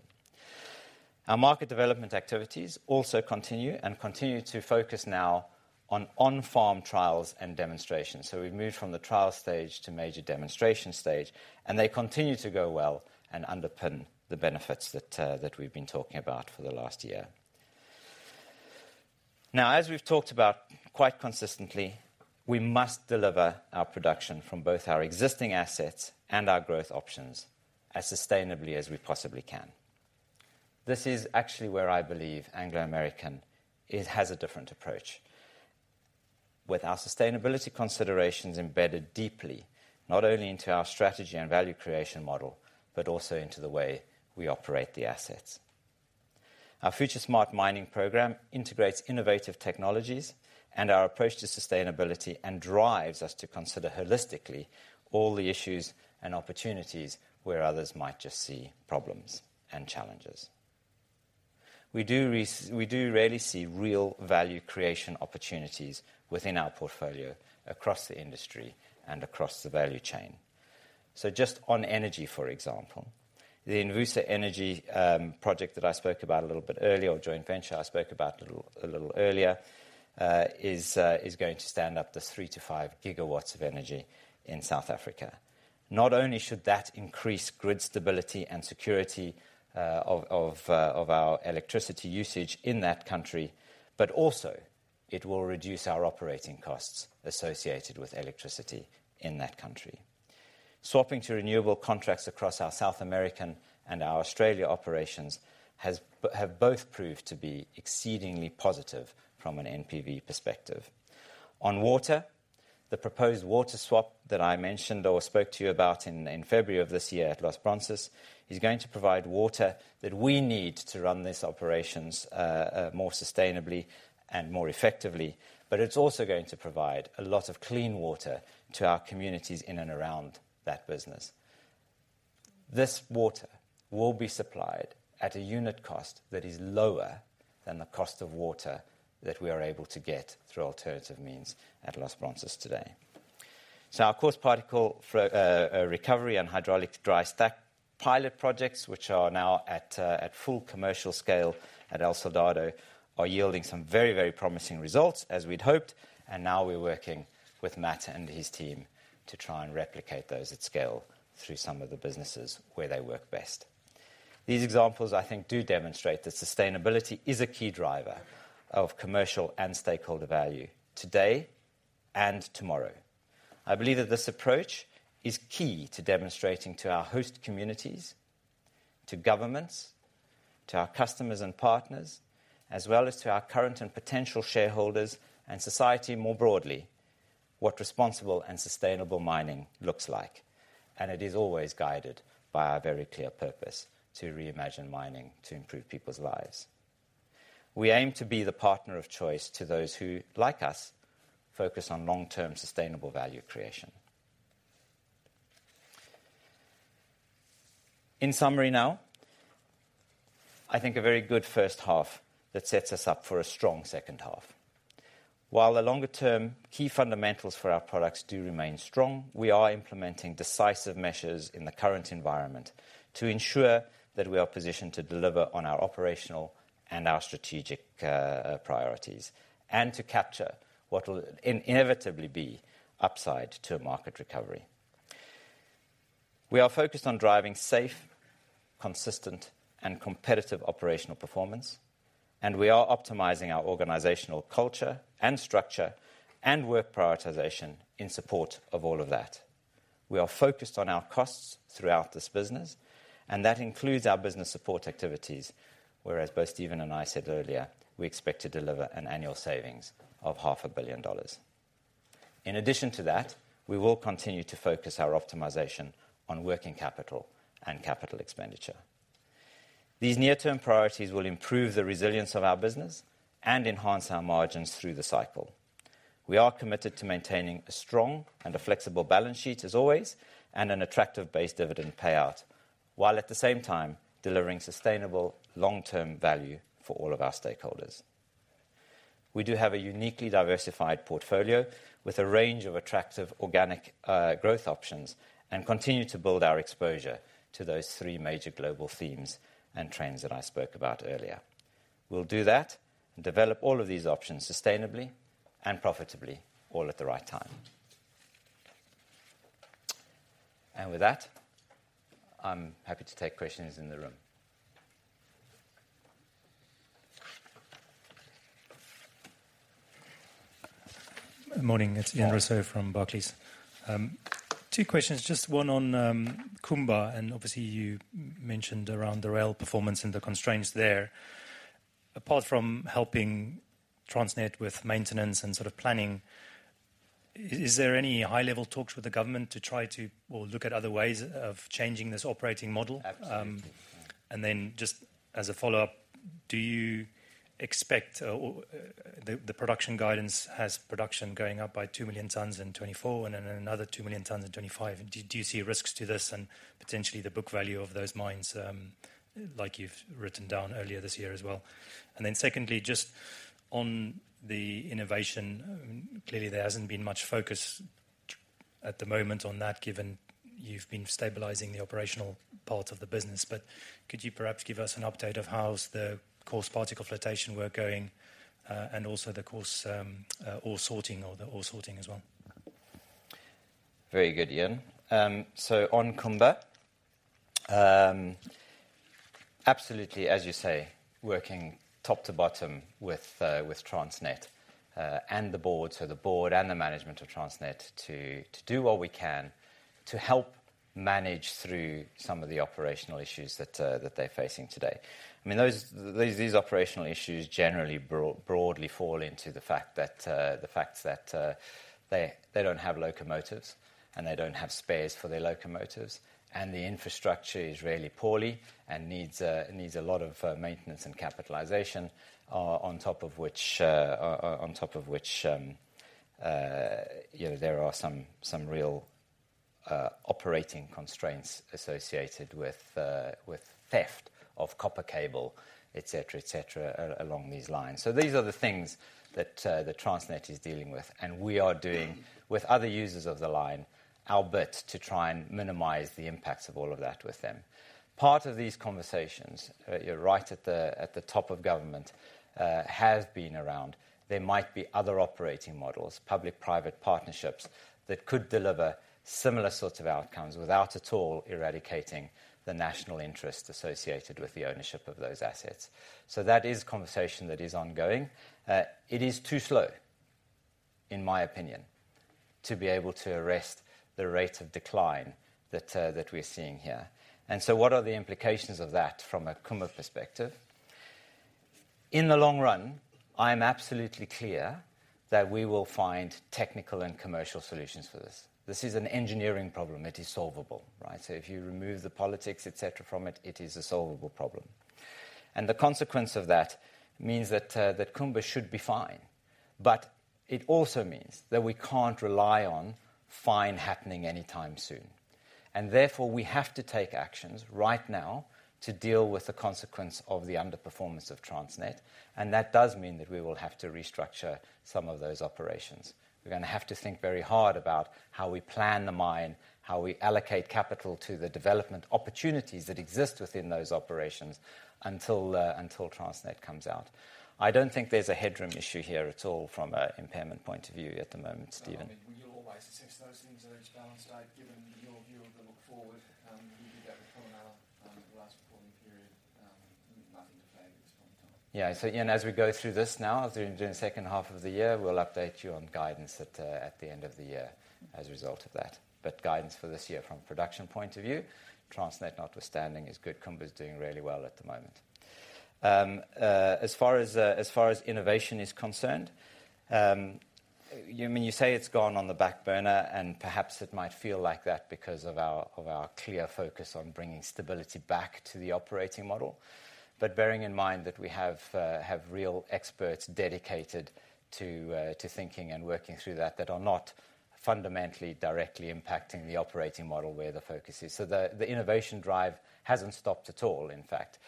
Our market development activities also continue and continue to focus now on on-farm trials and demonstrations. We've moved from the trial stage to major demonstration stage, and they continue to go well and underpin the benefits that we've been talking about for the last year. Now, as we've talked about quite consistently, we must deliver our production from both our existing assets and our growth options as sustainably as we possibly can. This is actually where I believe Anglo American has a different approach. With our sustainability considerations embedded deeply, not only into our strategy and value creation model, but also into the way we operate the assets. Our FutureSmart Mining program integrates innovative technologies and our approach to sustainability and drives us to consider holistically all the issues and opportunities where others might just see problems and challenges. We do rarely see real value creation opportunities within our portfolio, across the industry, and across the value chain. Just on energy, for example, the Envusa Energy project that I spoke about a little bit earlier, or joint venture I spoke about a little earlier, is going to stand up to 3 GW-5 GW of energy in South Africa. Not only should that increase grid stability and security of our electricity usage in that country, but also it will reduce our operating costs associated with electricity in that country. Swapping to renewable contracts across our South American and our Australia operations have both proved to be exceedingly positive from an NPV perspective. On water, the proposed water swap that I mentioned or spoke to you about in February of this year at Los Bronces, is going to provide water that we need to run these operations more sustainably and more effectively, but it's also going to provide a lot of clean water to our communities in and around that business. This water will be supplied at a unit cost that is lower than the cost of water that we are able to get through alternative means at Los Bronces today. Our coarse particle recovery and hydraulic dry stack pilot projects, which are now at full commercial scale at El Soldado, are yielding some very, very promising results, as we'd hoped, and now we're working with Matt and his team to try and replicate those at scale through some of the businesses where they work best. These examples, I think, do demonstrate that sustainability is a key driver of commercial and stakeholder value today and tomorrow. I believe that this approach is key to demonstrating to our host communities, to governments, to our customers and partners, as well as to our current and potential shareholders and society more broadly, what responsible and sustainable mining looks like, and it is always guided by our very clear purpose: to reimagine mining to improve people's lives. We aim to be the partner of choice to those who, like us, focus on long-term sustainable value creation. In summary, now, I think a very good first half that sets us up for a strong second half. While the longer-term key fundamentals for our products do remain strong, we are implementing decisive measures in the current environment to ensure that we are positioned to deliver on our operational and our strategic priorities and to capture what will inevitably be upside to a market recovery. We are focused on driving safe, consistent and competitive operational performance. We are optimizing our organizational culture and structure and work prioritization in support of all of that. We are focused on our costs throughout this business. That includes our business support activities, whereas both Stephen and I said earlier, we expect to deliver an annual savings of $500 million. In addition to that, we will continue to focus our optimization on working capital and capital expenditure. These near-term priorities will improve the resilience of our business and enhance our margins through the cycle. We are committed to maintaining a strong and a flexible balance sheet as always, and an attractive base dividend payout, while at the same time, delivering sustainable long-term value for all of our stakeholders. We do have a uniquely diversified portfolio with a range of attractive organic growth options. Continue to build our exposure to those three major global themes and trends that I spoke about earlier. We'll do that and develop all of these options sustainably and profitably, all at the right time. With that, I'm happy to take questions in the room. Morning, it's Ian Rossouw from Barclays. Two questions. Just one on Kumba, and obviously, you mentioned around the rail performance and the constraints there. Apart from helping Transnet with maintenance and sort of planning, is there any high-level talks with the government to try to or look at other ways of changing this operating model? Absolutely. Just as a follow-up, do you expect or the production guidance has production going up by 2 million tons in 2024 and then another 2 million tons in 2025. Do you see risks to this and potentially the book value of those mines, like you've written down earlier this year as well? Secondly, just on the innovation, clearly, there hasn't been much focus at the moment on that, given you've been stabilizing the operational part of the business. Could you perhaps give us an update of how's the coarse particle flotation work going, and also the coarse ore sorting or the ore sorting as well? Very good, Ian. On Kumba, absolutely, as you say, working top to bottom with Transnet and the board. The board and the management of Transnet to do what we can to help manage through some of the operational issues that they're facing today. I mean, those, these operational issues generally broadly fall into the fact that the fact that they don't have locomotives, and they don't have spares for their locomotives, and the infrastructure is really poorly and needs a lot of maintenance and capitalization. On top of which, on top of which, you know, there are some real operating constraints associated with theft of copper cable, et cetera, et cetera, along these lines. These are the things that Transnet is dealing with, and we are doing, with other users of the line, our bit to try and minimize the impacts of all of that with them. Part of these conversations, you're right at the top of government, has been around. There might be other operating models, public-private partnerships, that could deliver similar sorts of outcomes without at all eradicating the national interest associated with the ownership of those assets. That is a conversation that is ongoing. It is too slow, in my opinion, to be able to arrest the rate of decline that we're seeing here. What are the implications of that from a Kumba perspective? In the long run, I am absolutely clear that we will find technical and commercial solutions for this. This is an engineering problem. It is solvable, right? If you remove the politics, et cetera, from it is a solvable problem. The consequence of that means that Kumba should be fine, but it also means that we can't rely on fine happening anytime soon. Therefore, we have to take actions right now to deal with the consequence of the underperformance of Transnet, and that does mean that we will have to restructure some of those operations. We're gonna have to think very hard about how we plan the mine, how we allocate capital to the development opportunities that exist within those operations until Transnet comes out. I don't think there's a headroom issue here at all from an impairment point of view at the moment, Stephen. You'll always assess those things are in balance, right? Given your view of the look forward, you did that before in our. [inaudible] Yeah. Ian, as we go through this now, during the second half of the year, we'll update you on guidance at the end of the year as a result of that. Guidance for this year from a production point of view, Transnet notwithstanding, is good. Kumba is doing really well at the moment. As far as innovation is concerned, Ian, when you say it's gone on the back burner, and perhaps it might feel like that because of our clear focus on bringing stability back to the operating model. Bearing in mind that we have real experts dedicated to thinking and working through that are not fundamentally directly impacting the operating model where the focus is. The innovation drive hasn't stopped at all, in fact.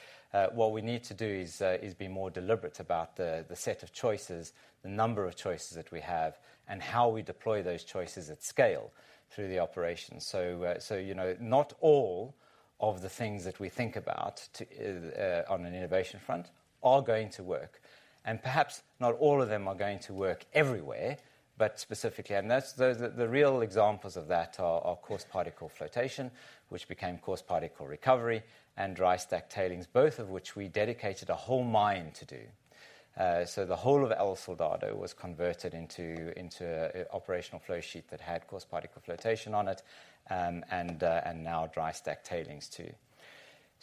What we need to do is be more deliberate about the set of choices, the number of choices that we have, and how we deploy those choices at scale through the operations. You know, not all of the things that we think about to on an innovation front are going to work, and perhaps not all of them are going to work everywhere, but specifically. The real examples of that are coarse particle flotation, which became coarse particle recovery and dry stack tailings, both of which we dedicated a whole mine to do. The whole of El Soldado was converted into an operational flow sheet that had coarse particle flotation on it, and now dry stack tailings, too.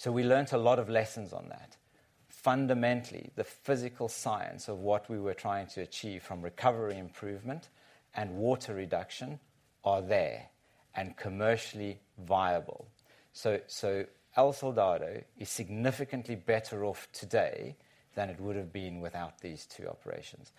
We learned a lot of lessons on that. Fundamentally, the physical science of what we were trying to achieve from recovery improvement and water reduction are there and commercially viable. El Soldado is significantly better off today than it would have been without these two operations.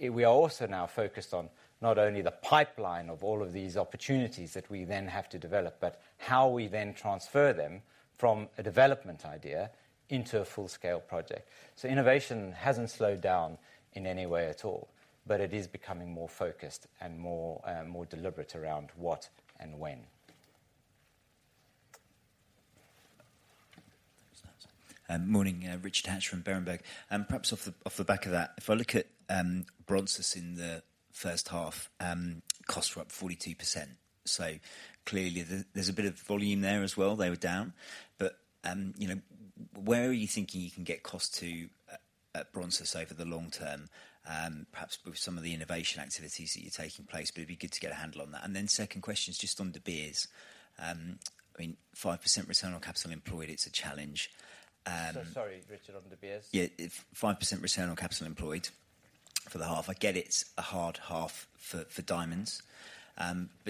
We are also now focused on not only the pipeline of all of these opportunities that we then have to develop, but how we then transfer them from a development idea into a full-scale project. Innovation hasn't slowed down in any way at all, but it is becoming more focused and more, more deliberate around what and when. Morning, Richard Hatch from Berenberg. Perhaps off the back of that, if I look at Bronces in the first half, costs were up 42%. Clearly, there's a bit of volume there as well. They were down. You know, where are you thinking you can get costs to at Bronces over the long term, perhaps with some of the innovation activities that you're taking place? It'd be good to get a handle on that. Second question is just on the De Beers. I mean, 5% return on capital employed, it's a challenge. Sorry, Richard, on De Beers? If 5% return on capital employed for the half, I get it's a hard half for diamonds.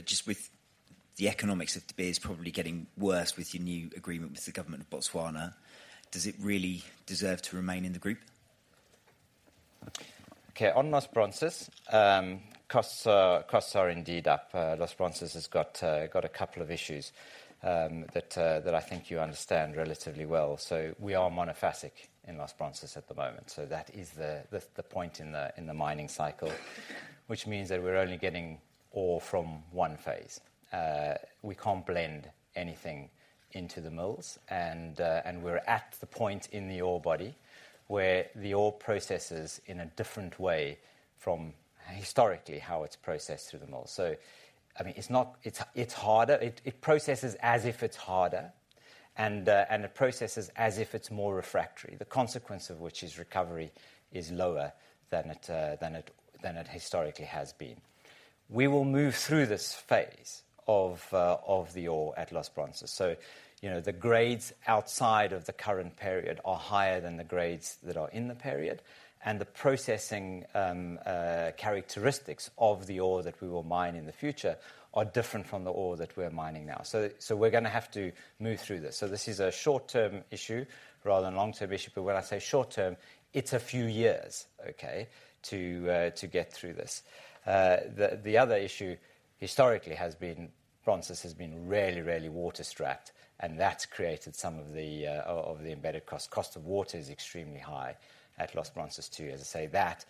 Just with the economics of De Beers probably getting worse with your new agreement with the government of Botswana, does it really deserve to remain in the group? Okay. On Los Bronces, costs are indeed up. Los Bronces has got a couple of issues that I think you understand relatively well. We are monophasic in Los Bronces at the moment, that is the point in the mining cycle, which means that we're only getting ore from one phase. We can't blend anything into the mills, and we're at the point in the ore body where the ore processes in a different way from historically how it's processed through the mill. I mean, it's harder. It processes as if it's harder, and it processes as if it's more refractory. The consequence of which is recovery is lower than it historically has been. We will move through this phase of the ore at Los Bronces. You know, the grades outside of the current period are higher than the grades that are in the period, and the processing characteristics of the ore that we will mine in the future are different from the ore that we're mining now. We're gonna have to move through this. This is a short-term issue rather than long-term issue. When I say short-term, it's a few years, okay, to get through this. The other issue historically has been Bronces has been really water-strapped, and that's created some of the embedded cost. Cost of water is extremely high at Los Bronces, too. As I say, that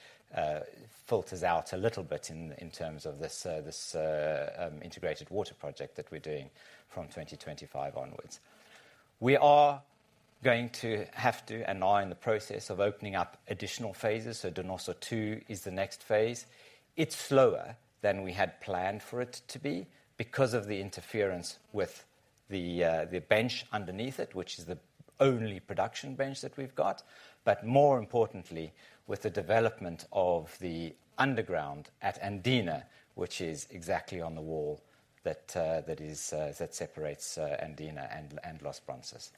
filters out a little bit in terms of this integrated water project that we're doing from 2025 onwards. We are going to have to, and are in the process of opening up additional phases, so Donoso II is the next phase. It's slower than we had planned for it to be because of the interference with the bench underneath it, which is the only production bench that we've got. More importantly, with the development of the underground at Andina, which is exactly on the wall that is that separates Andina and Los Bronces.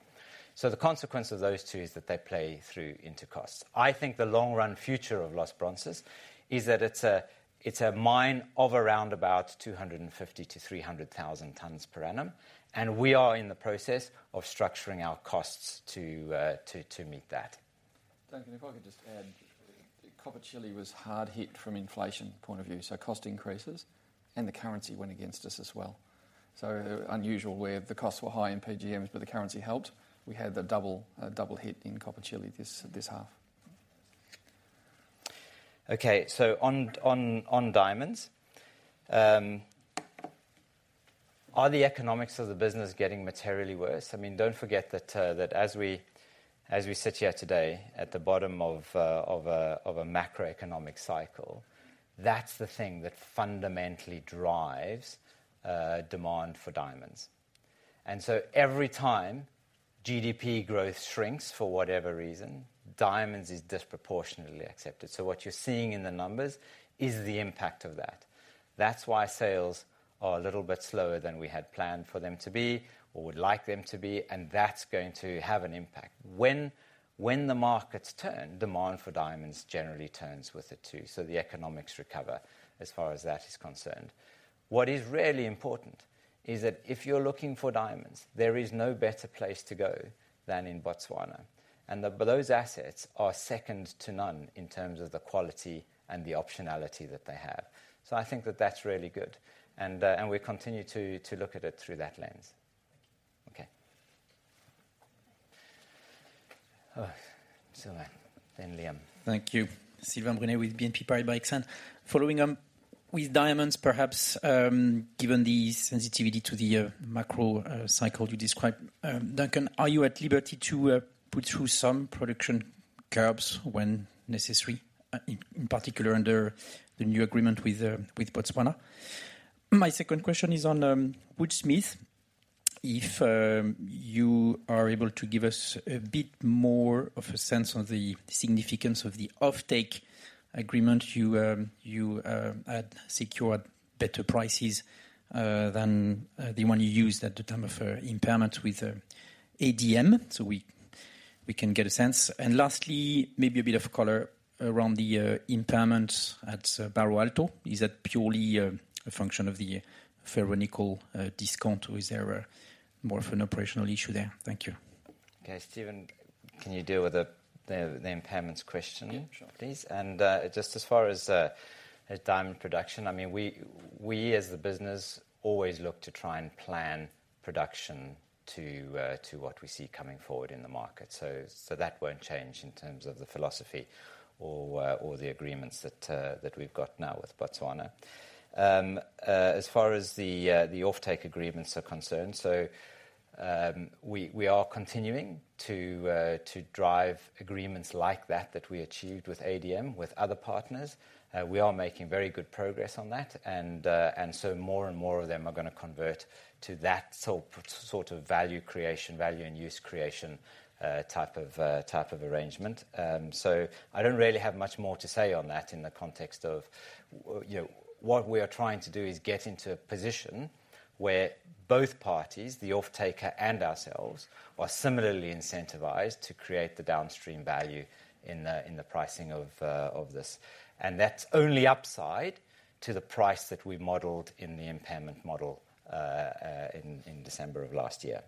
The consequence of those two is that they play through into costs. I think the long-run future of Los Bronces is that it's a mine of around about 250,000-300,000 tons per annum. We are in the process of structuring our costs to meet that. Duncan, if I could just add. Copper Chile was hard hit from inflation point of view, so cost increases, and the currency went against us as well. Unusual where the costs were high in PGMs, but the currency helped. We had the double hit in Copper Chile this half. On diamonds, are the economics of the business getting materially worse? I mean, don't forget that as we sit here today, at the bottom of a macroeconomic cycle, that's the thing that fundamentally drives demand for diamonds. Every time GDP growth shrinks, for whatever reason, diamonds is disproportionately accepted. What you're seeing in the numbers is the impact of that. That's why sales are a little bit slower than we had planned for them to be or would like them to be, and that's going to have an impact. When the markets turn, demand for diamonds generally turns with it, too, the economics recover as far as that is concerned. What is really important is that if you're looking for diamonds, there is no better place to go than in Botswana, and those assets are second to none in terms of the quality and the optionality that they have. I think that that's really good, and we continue to look at it through that lens. Thank you. Okay. Sylvain, then Liam. Thank you. Sylvain Brunet with BNP Paribas Exane. Following on with diamonds, perhaps, given the sensitivity to the macro cycle you described, Duncan, are you at liberty to put through some production caps when necessary, in particular, under the new agreement with Botswana? My second question is on Woodsmith. If you are able to give us a bit more of a sense on the significance of the offtake agreement, you secured better prices than the one you used at the time of impairment with ADM, so we can get a sense. Lastly, maybe a bit of color around the impairment at Barro Alto. Is that purely a function of the ferronickel discount, or is there more of an operational issue there? Thank you. Okay, Stephen, can you deal with the impairments question. Yeah, sure. Please. Just as far as diamond production, I mean, we as the business, always look to try and plan production to what we see coming forward in the market. That won't change in terms of the philosophy or the agreements that we've got now with Botswana. As far as the offtake agreements are concerned, we are continuing to drive agreements like that we achieved with ADM, with other partners. We are making very good progress on that. More and more of them are gonna convert to that sort of value creation, value and use creation, type of arrangement. I don't really have much more to say on that in the context of, you know, what we are trying to do is get into a position where both parties, the offtaker and ourselves, are similarly incentivized to create the downstream value in the, in the pricing of this. That's only upside to the price that we modeled in the impairment model in December of last year.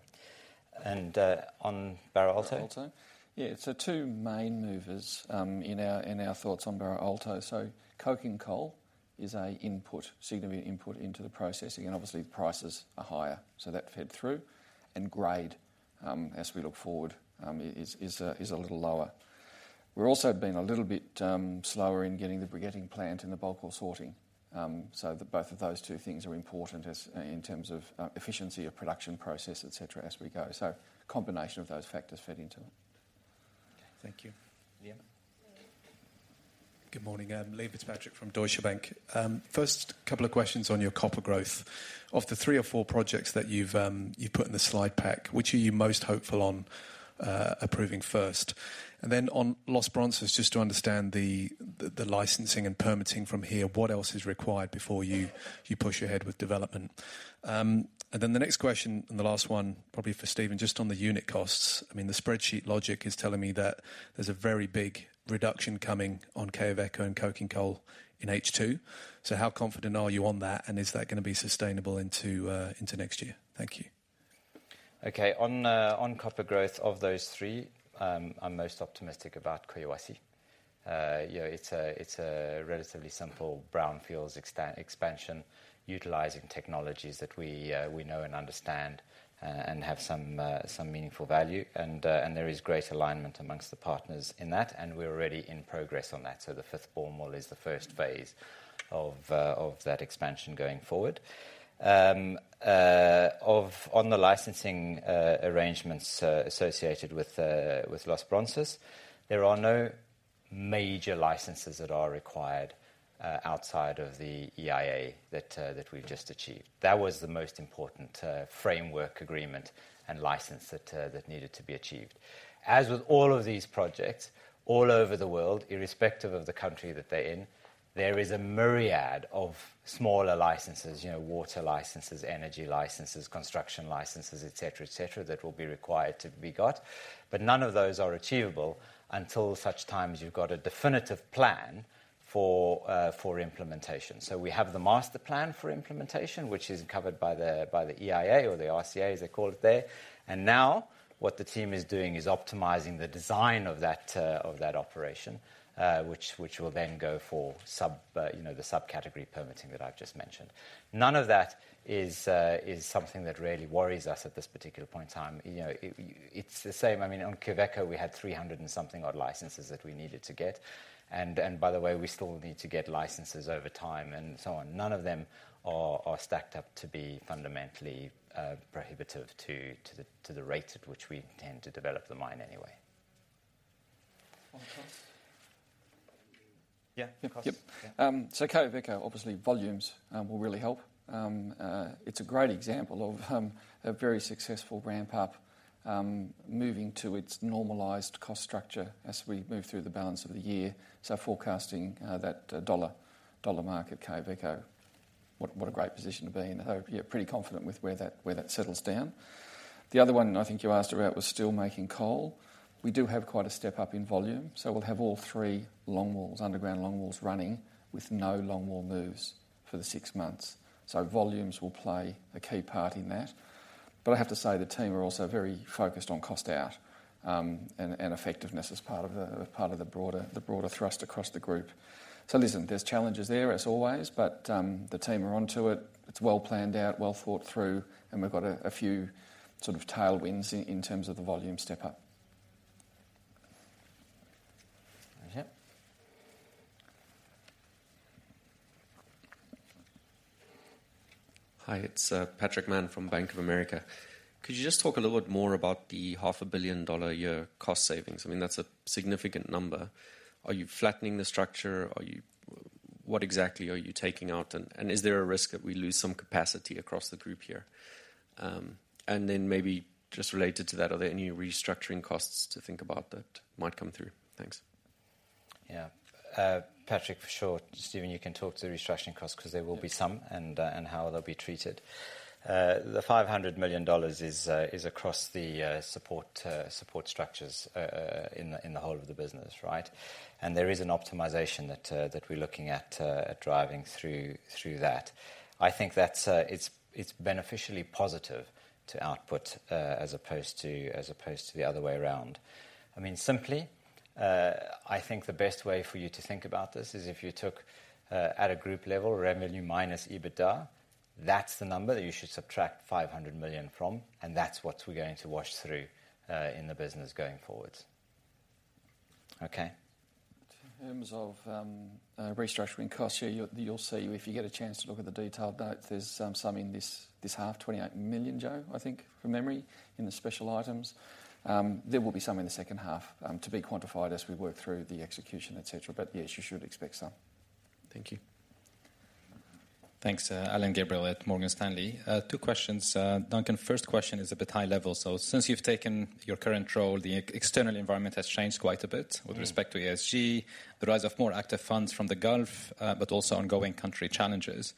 On Barro Alto? Barro Alto. Yeah, two main movers, in our thoughts on Barro Alto. Coking coal is a input, significant input into the processing, and obviously, prices are higher, so that fed through. Grade, as we look forward, is a little lower. We're also being a little bit slower in getting the briquetting plant and the bulk ore sorting. The both of those two things are important as in terms of efficiency of production process, et cetera, as we go. Combination of those factors fed into it. Thank you. Liam? Good morning, Liam Fitzpatrick from Deutsche Bank. First, couple of questions on your copper growth. Of the three or four projects that you've put in the slide pack, which are you most hopeful on approving first? On Los Bronces, just to understand the licensing and permitting from here, what else is required before you push ahead with development? The next question, and the last one, probably for Stephen, just on the unit costs. I mean, the spreadsheet logic is telling me that there's a very big reduction coming on Quellaveco and coking coal in H2. How confident are you on that, and is that gonna be sustainable into next year? Thank you. Okay. On copper growth, of those three, I'm most optimistic about Collahuasi. You know, it's a relatively simple brownfields expansion, utilizing technologies that we know and understand, and have some meaningful value. There is great alignment amongst the partners in that, and we're already in progress on that. The fifth bore well is the first phase of that expansion going forward. On the licensing arrangements associated with Los Bronces, there are no major licenses that are required outside of the EIA that we've just achieved. That was the most important framework agreement and license that needed to be achieved. As with all of these projects, all over the world, irrespective of the country that they're in, there is a myriad of smaller licenses, you know, water licenses, energy licenses, construction licenses, et cetera, et cetera, that will be required to be got. None of those are achievable until such time as you've got a definitive plan for implementation. We have the master plan for implementation, which is covered by the EIA or the RCA, as they call it there. Now, what the team is doing is optimizing the design of that operation, which will then go for sub, you know, the subcategory permitting that I've just mentioned. None of that is something that really worries us at this particular point in time. You know, it's the same. I mean, on Quellaveco, we had 300 and something odd licenses that we needed to get. By the way, we still need to get licenses over time and so on. None of them are stacked up to be fundamentally prohibitive to the rate at which we intend to develop the mine anyway. On costs? Yeah, the costs. Yep. Yeah. Quellaveco, obviously, volumes will really help. It's a great example of a very successful ramp-up, moving to its normalized cost structure as we move through the balance of the year. Forecasting that dollar mark at Quellaveco, what a great position to be in. Yeah, pretty confident with where that settles down. The other one I think you asked about was coking coal. We do have quite a step-up in volume, we'll have all three longwalls, underground longwalls running, with no longwall moves for the six months. Volumes will play a key part in that. I have to say, the team are also very focused on cost out and effectiveness as part of the broader thrust across the group. Listen, there's challenges there as always, but the team are onto it. It's well planned out, well thought through, and we've got a few sort of tailwinds in terms of the volume step-up. Okay. Hi, it's Patrick Mann from Bank of America. Could you just talk a little bit more about the $500 million a year cost savings? I mean, that's a significant number. Are you flattening the structure? What exactly are you taking out, and is there a risk that we lose some capacity across the group here? Maybe just related to that, are there any restructuring costs to think about that might come through? Thanks. Yeah. Patrick, for sure, Stephen, you can talk to the restructuring costs, 'cause there will be some, and how they'll be treated. The $500 million is across the support structures in the whole of the business, right? There is an optimization that we're looking at driving through that. I think that's, it's beneficially positive to output, as opposed to the other way around. I mean, simply, I think the best way for you to think about this is if you took at a group level, revenue minus EBITDA, that's the number that you should subtract $500 million from, and that's what we're going to wash through in the business going forward. Okay? In terms of restructuring costs, yeah, you'll see. If you get a chance to look at the detailed note, there's some in this half, $28 million, Joe, I think, from memory, in the special items. There will be some in the second half to be quantified as we work through the execution, et cetera. Yes, you should expect some. Thank you. Thanks. Alain Gabriel at Morgan Stanley. Two questions. Duncan, first question is a bit high level. Since you've taken your current role, the external environment has changed quite a bit- Mm... with respect to ESG, the rise of more active funds from the Gulf, but also ongoing country challenges.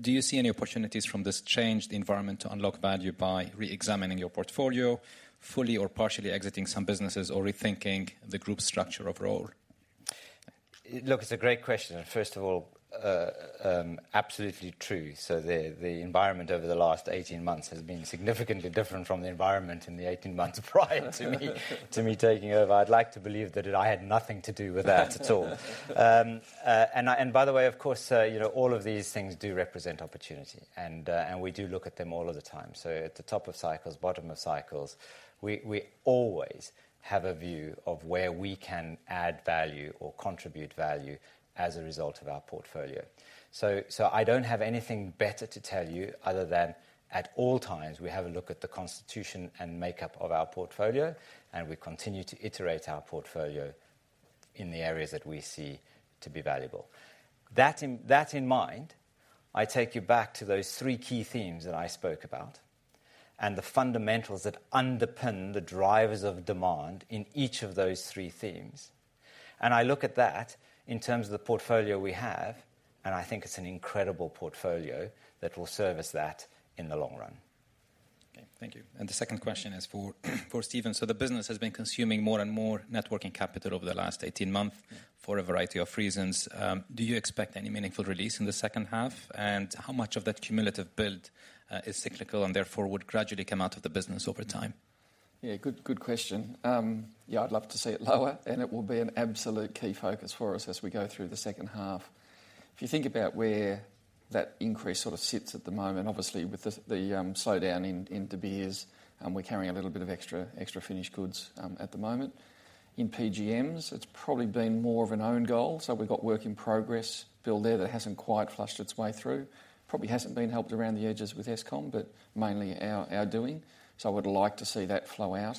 Do you see any opportunities from this changed environment to unlock value by reexamining your portfolio, fully or partially exiting some businesses, or rethinking the group structure overall? Look, it's a great question. First of all, absolutely true. The environment over the last 18 months has been significantly different from the environment in the 18 months prior to me taking over. I'd like to believe that I had nothing to do with that at all. And by the way, of course, you know, all of these things do represent opportunity, and we do look at them all of the time. At the top of cycles, bottom of cycles, we always have a view of where we can add value or contribute value as a result of our portfolio. I don't have anything better to tell you, other than, at all times, we have a look at the constitution and makeup of our portfolio, and we continue to iterate our portfolio in the areas that we see to be valuable. That in mind, I take you back to those three key themes that I spoke about and the fundamentals that underpin the drivers of demand in each of those three themes. I look at that in terms of the portfolio we have, and I think it's an incredible portfolio that will service that in the long run. Okay, thank you. The second question is for Stephen. The business has been consuming more and more networking capital over the last 18 months for a variety of reasons. Do you expect any meaningful release in the second half? How much of that cumulative build is cyclical, and therefore would gradually come out of the business over time? Good question. I'd love to see it lower, it will be an absolute key focus for us as we go through the second half. You think about where that increase sort of sits at the moment, obviously, with the slowdown in De Beers, we're carrying a little bit of extra finished goods at the moment. In PGMs, it's probably been more of an own goal, we've got work in progress built there that hasn't quite flushed its way through. Probably hasn't been helped around the edges with Eskom, mainly our doing. I would like to see that flow out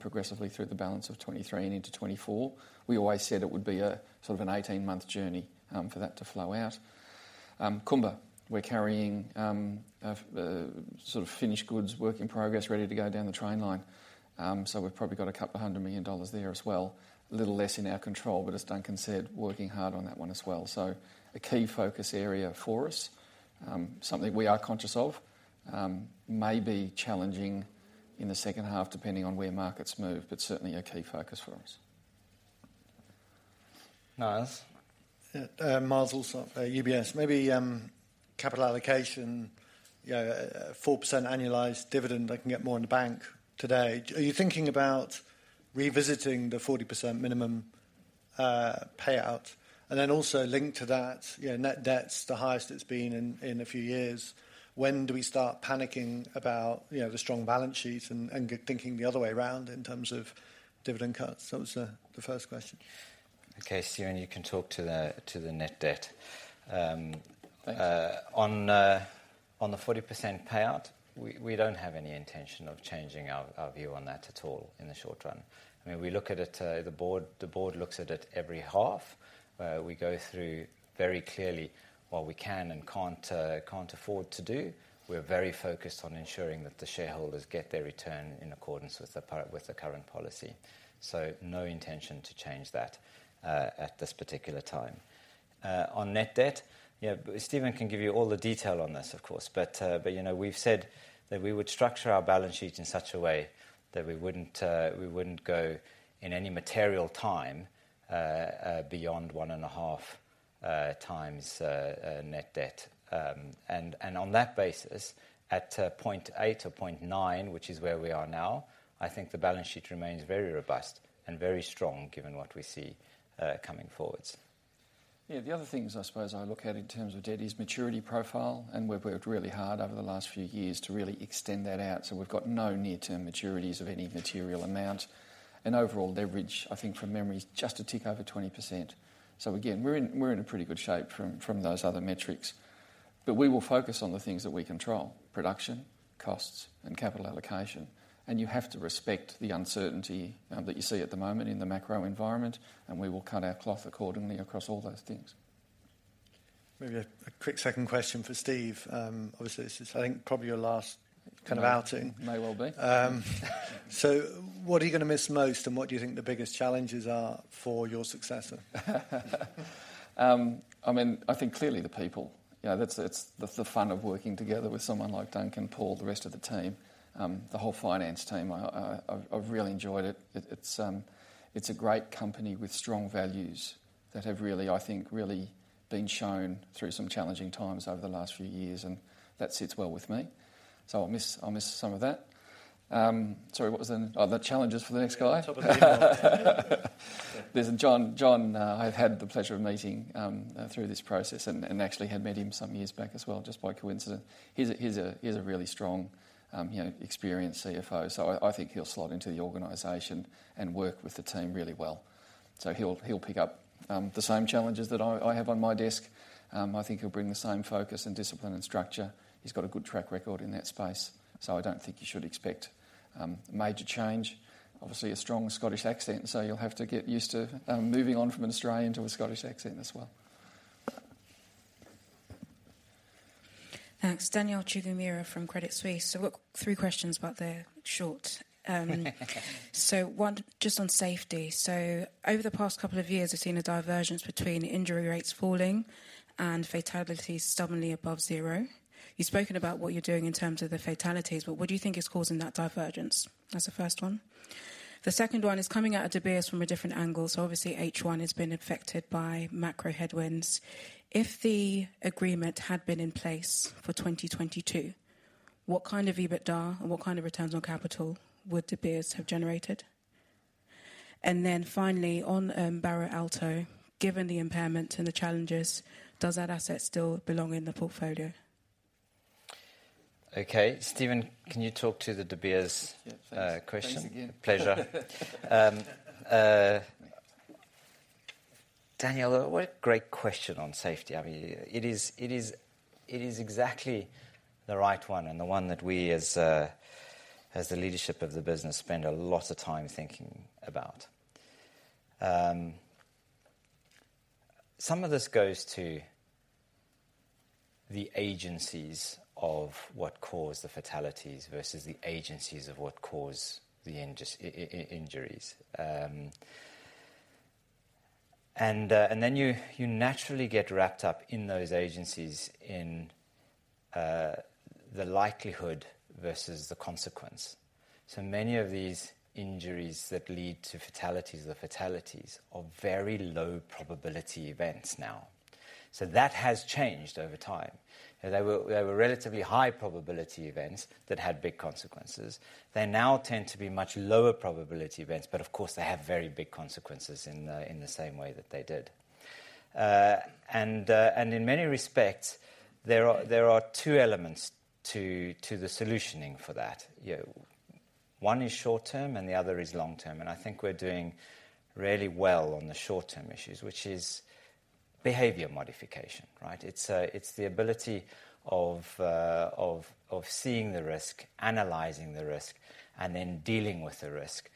progressively through the balance of 2023 and into 2024. We always said it would be a sort of an 18-month journey for that to flow out. Kumba, we're carrying, sort of finished goods, work in progress, ready to go down the train line. We've probably got $200 million there as well. A little less in our control, but as Duncan said, working hard on that one as well. A key focus area for us, something we are conscious of, may be challenging in the second half, depending on where markets move, but certainly a key focus for us. Myles? Myles Allsop of UBS. Maybe, capital allocation, you know, 4% annualized dividend, I can get more in the bank today. Are you thinking about revisiting the 40% minimum payout? Also linked to that, you know, net debt's the highest it's been in a few years. When do we start panicking about, you know, the strong balance sheet and thinking the other way around in terms of dividend cuts? That was the first question. Okay, Stephen, you can talk to the net debt. Thanks On the 40% payout, we don't have any intention of changing our view on that at all in the short run. I mean, we look at it, the board, the board looks at it every half. We go through very clearly what we can and can't afford to do. We're very focused on ensuring that the shareholders get their return in accordance with the current policy. No intention to change that at this particular time. On net debt, yeah, Stephen can give you all the detail on this, of course, but, you know, we've said that we would structure our balance sheet in such a way that we wouldn't go in any material time beyond 1.5x net debt. On that basis, at 0.8x or 0.9x, which is where we are now, I think the balance sheet remains very robust and very strong, given what we see coming forwards. Yeah, the other things I suppose I look at in terms of debt is maturity profile, and we've worked really hard over the last few years to really extend that out. We've got no near-term maturities of any material amount. Overall, leverage, I think from memory, is just a tick over 20%. Again, we're in a pretty good shape from those other metrics. We will focus on the things that we control: production, costs, and capital allocation. You have to respect the uncertainty that you see at the moment in the macro environment, and we will cut our cloth accordingly across all those things. Maybe a quick second question for Stephen. Obviously, this is, I think, probably your last kind of outing. May well be. What are you going to miss most, and what do you think the biggest challenges are for your successor? I mean, I think clearly the people. You know, that's, it's the fun of working together with someone like Duncan, Paul, the rest of the team, the whole finance team. I've really enjoyed it. It's a great company with strong values that have really, I think, really been shown through some challenging times over the last few years, and that sits well with me. I'll miss some of that. Sorry, what was the, Oh, the challenges for the next guy? Top of. Listen, John, I've had the pleasure of meeting through this process and actually had met him some years back as well, just by coincidence. He's a really strong, you know, experienced CFO, so I think he'll slot into the organization and work with the team really well. He'll pick up the same challenges that I have on my desk. I think he'll bring the same focus and discipline and structure. He's got a good track record in that space, so I don't think you should expect major change. Obviously, a strong Scottish accent, so you'll have to get used to moving on from an Australian to a Scottish accent as well. Thanks. Danielle Chigumira from Credit Suisse. I've got three questions, but they're short. One, just on safety. Over the past couple of years, we've seen a divergence between injury rates falling and fatalities stubbornly above zero. You've spoken about what you're doing in terms of the fatalities, but what do you think is causing that divergence? That's the first one. The second one is coming out of De Beers from a different angle. Obviously, H1 has been affected by macro headwinds. If the agreement had been in place for 2022, what kind of EBITDA and what kind of returns on capital would De Beers have generated? Finally, on Barro Alto, given the impairment and the challenges, does that asset still belong in the portfolio? Okay, Stephen, can you talk to the De Beers question? Yeah, thanks. Thanks again. Pleasure. Danielle, what a great question on safety. I mean, it is exactly the right one and the one that we as the leadership of the business, spend a lot of time thinking about. Some of this goes to the agencies of what caused the fatalities versus the agencies of what caused the injuries. You naturally get wrapped up in those agencies in the likelihood versus the consequence. Many of these injuries that lead to fatalities, the fatalities are very low probability events now. That has changed over time. They were relatively high probability events that had big consequences. They now tend to be much lower probability events, but of course, they have very big consequences in the same way that they did. In many respects, there are two elements to the solutioning for that. You know, one is short term, and the other is long term, and I think we're doing really well on the short-term issues, which is behavior modification, right? It's the ability of seeing the risk, analyzing the risk, and then dealing with the risk,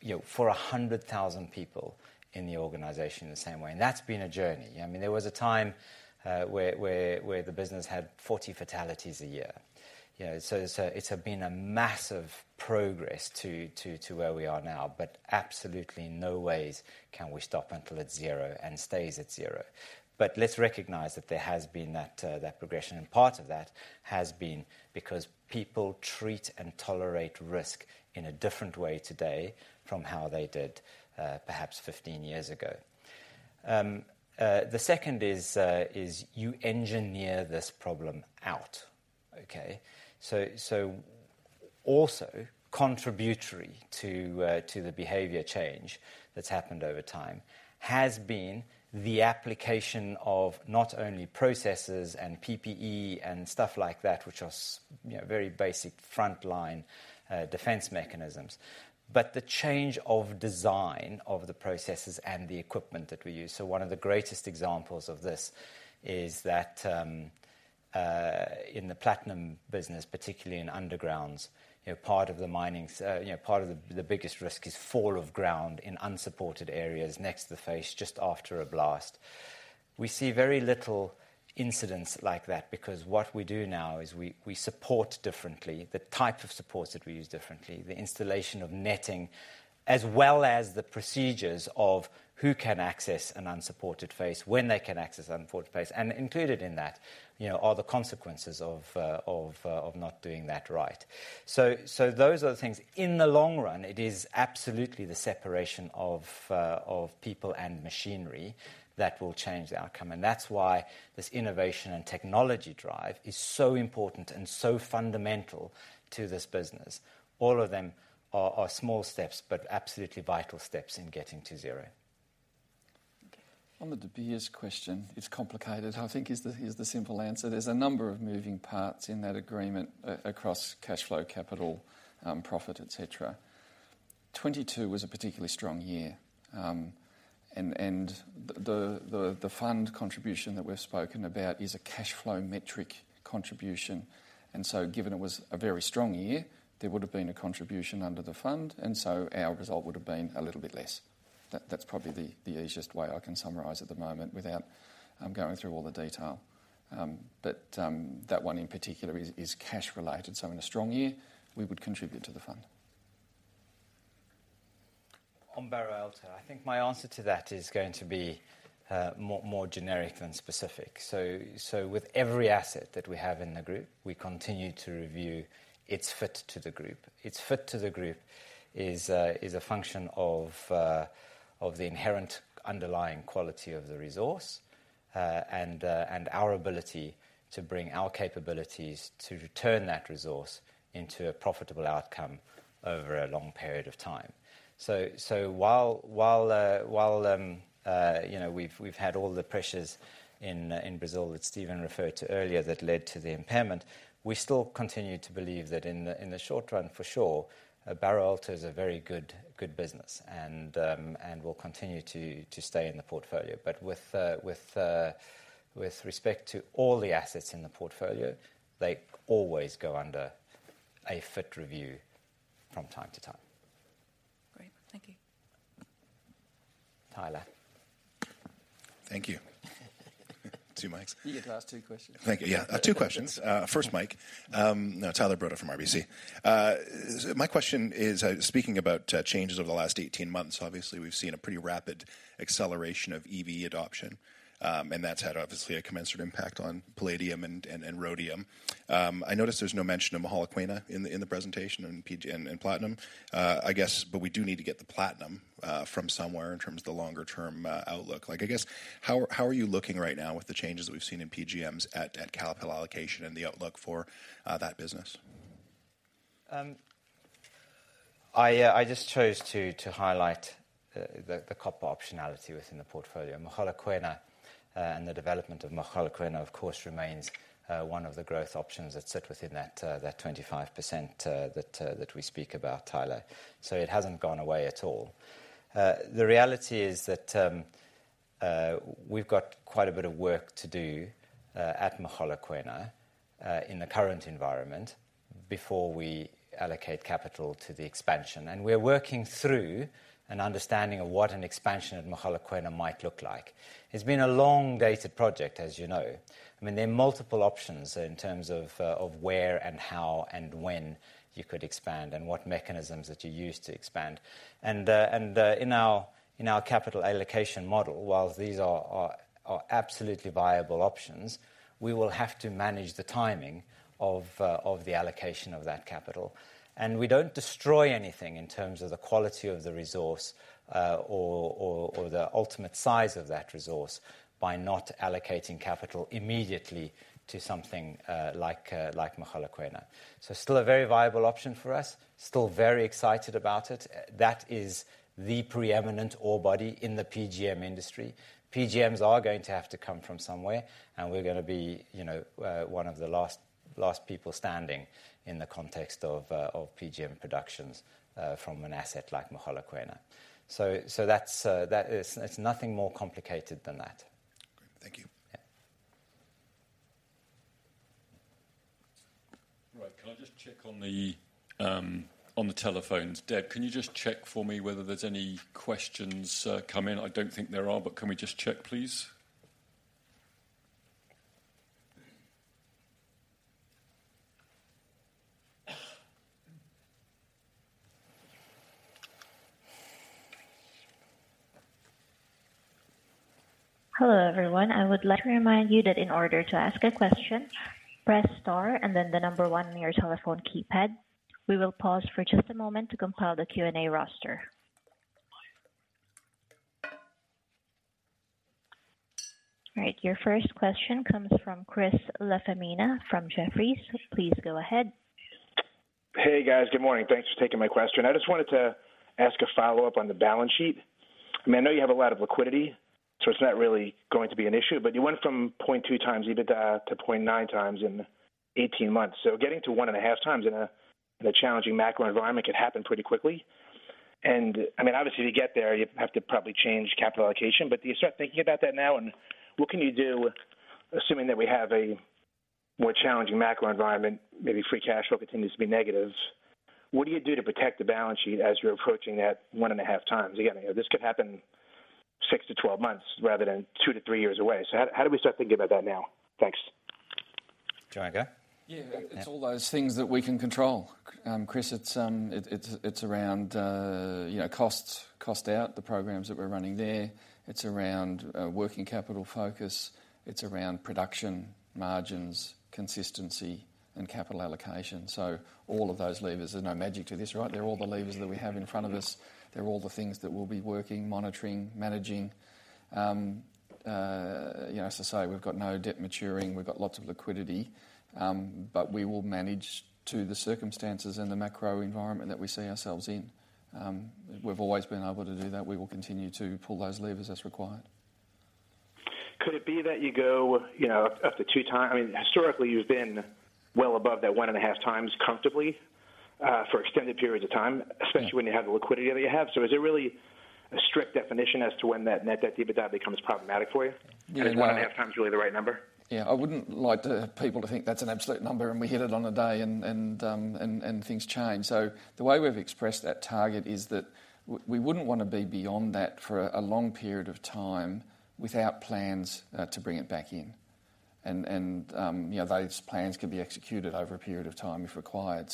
you know, for 100,000 people in the organization in the same way. That's been a journey. I mean, there was a time where the business had 40 fatalities a year. You know, so it's been a massive progress to where we are now, but absolutely in no ways can we stop until it's zero and stays at zero. Let's recognize that there has been that progression, and part of that has been because people treat and tolerate risk in a different way today from how they did, perhaps 15 years ago. The second is you engineer this problem out, okay? Also contributory to the behavior change that's happened over time has been the application of not only processes and PPE and stuff like that, which are you know, very basic frontline, defense mechanisms, but the change of design of the processes and the equipment that we use. One of the greatest examples of this is that, in the platinum business, particularly in undergrounds, you know, part of the mining, you know, part of the biggest risk is fall of ground in unsupported areas next to the face, just after a blast. We see very little incidents like that because what we do now is we support differently, the type of supports that we use differently, the installation of netting, as well as the procedures of who can access an unsupported face, when they can access unsupported face, and included in that, you know, are the consequences of not doing that right. Those are the things. In the long run, it is absolutely the separation of people and machinery that will change the outcome, and that's why this innovation and technology drive is so important and so fundamental to this business. All of them are small steps, but absolutely vital steps in getting to zero. Thank you. On the De Beers question, it's complicated, I think is the simple answer. There's a number of moving parts in that agreement across cashflow, capital, profit, et cetera. 2022 was a particularly strong year, and the fund contribution that we've spoken about is a cashflow metric contribution. Given it was a very strong year, there would have been a contribution under the fund. Our result would have been a little bit less. That's probably the easiest way I can summarize at the moment without going through all the detail. That one in particular is cash related. In a strong year, we would contribute to the fund. On Barro Alto, I think my answer to that is going to be more generic than specific. With every asset that we have in the group, we continue to review its fit to the group. Its fit to the group is a function of the inherent underlying quality of the resource and our ability to bring our capabilities to turn that resource into a profitable outcome over a long period of time. While you know, we've had all the pressures in Brazil, that Stephen referred to earlier, that led to the impairment. We still continue to believe that in the short run, for sure, Barro Alto is a very good business and will continue to stay in the portfolio. With respect to all the assets in the portfolio, they always go under a fit review from time to time. Great. Thank you. Tyler? Thank you. Two mics? You get to ask two questions. Thank you. Yeah, two questions. First, mic. Tyler Broda from RBC. My question is, speaking about changes over the last 18 months, obviously, we've seen a pretty rapid acceleration of EV adoption. That's had obviously a commensurate impact on palladium and rhodium. I noticed there's no mention of Mogalakwena in the presentation and platinum. I guess, we do need to get the platinum from somewhere in terms of the longer-term outlook. Like, I guess, how are you looking right now with the changes that we've seen in PGMs at capital allocation and the outlook for that business? I just chose to highlight the copper optionality within the portfolio. Mogalakwena, and the development of Mogalakwena, of course, remains one of the growth options that sit within that 25% that we speak about, Tyler. It hasn't gone away at all. The reality is that we've got quite a bit of work to do at Mogalakwena in the current environment before we allocate capital to the expansion. We're working through an understanding of what an expansion at Mogalakwena might look like. It's been a long-dated project, as you know. I mean, there are multiple options in terms of where and how and when you could expand, and what mechanisms that you use to expand. In our, in our capital allocation model, while these are absolutely viable options, we will have to manage the timing of the allocation of that capital. We don't destroy anything in terms of the quality of the resource or the ultimate size of that resource by not allocating capital immediately to something like Mogalakwena. Still a very viable option for us. Still very excited about it. That is the preeminent ore body in the PGM industry. PGMs are gonna have to come from somewhere, and we're gonna be, you know, one of the last people standing in the context of PGM productions from an asset like Mogalakwena. That's. It's nothing more complicated than that. Great. Thank you. Yeah. Right. Can I just check on the on the telephones? Deb, can you just check for me whether there's any questions come in? I don't think there are, but can we just check, please? Hello, everyone. I would like to remind you that in order to ask a question, press star and then the number one on your telephone keypad. We will pause for just a moment to compile the Q&A roster. All right, your first question comes from Chris LaFemina from Jefferies. Please go ahead. Hey, guys. Good morning. Thanks for taking my question. I just wanted to ask a follow-up on the balance sheet. I mean, I know you have a lot of liquidity, so it's not really going to be an issue, but you went from 0.2x EBITDA to 0.9x in 18 months. Getting to 1.5x in a challenging macro environment could happen pretty quickly. I mean, obviously, to get there, you'd have to probably change capital allocation, but do you start thinking about that now? What can you do, assuming that we have a more challenging macro environment, maybe free cash flow continues to be negative. What do you do to protect the balance sheet as you're approaching that 1.5x? Again, this could happen six to 12 months, rather than two to three years away. How do we start thinking about that now? Thanks. Do you want to go? Yeah. Yeah. It's all those things that we can control. Chris, it's around, you know, costs, cost out, the programs that we're running there. It's around working capital focus. It's around production, margins, consistency, and capital allocation. All of those levers, there's no magic to this, right? They're all the levers that we have in front of us. They're all the things that we'll be working, monitoring, managing. You know, as I say, we've got no debt maturing. We've got lots of liquidity, but we will manage to the circumstances and the macro environment that we see ourselves in. We've always been able to do that. We will continue to pull those levers as required. Could it be that you go, you know, I mean, historically, you've been well above that 1.5x comfortably, for extended periods of time? Yeah Especially when you have the liquidity that you have. Is it really a strict definition as to when that net debt to EBITDA becomes problematic for you? Yeah. Is 1.5x really the right number? Yeah. I wouldn't like the people to think that's an absolute number, and we hit it on the day, and things change. The way we've expressed that target is that we wouldn't want to be beyond that for a long period of time without plans to bring it back in. You know, those plans can be executed over a period of time if required.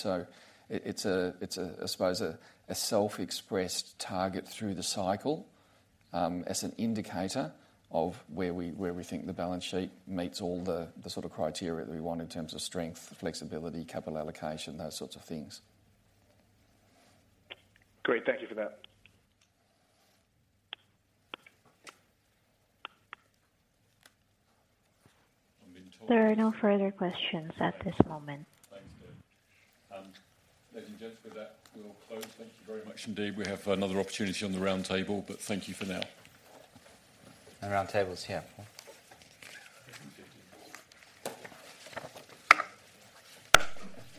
It's a, I suppose, a self-expressed target through the cycle as an indicator of where we, where we think the balance sheet meets all the sort of criteria that we want in terms of strength, flexibility, capital allocation, those sorts of things. Great. Thank you for that. There are no further questions at this moment. Thanks, Deb. Ladies and gentlemen, with that, we'll close. Thank you very much indeed. We have another opportunity on the roundtable, but thank you for now. The roundtable is here.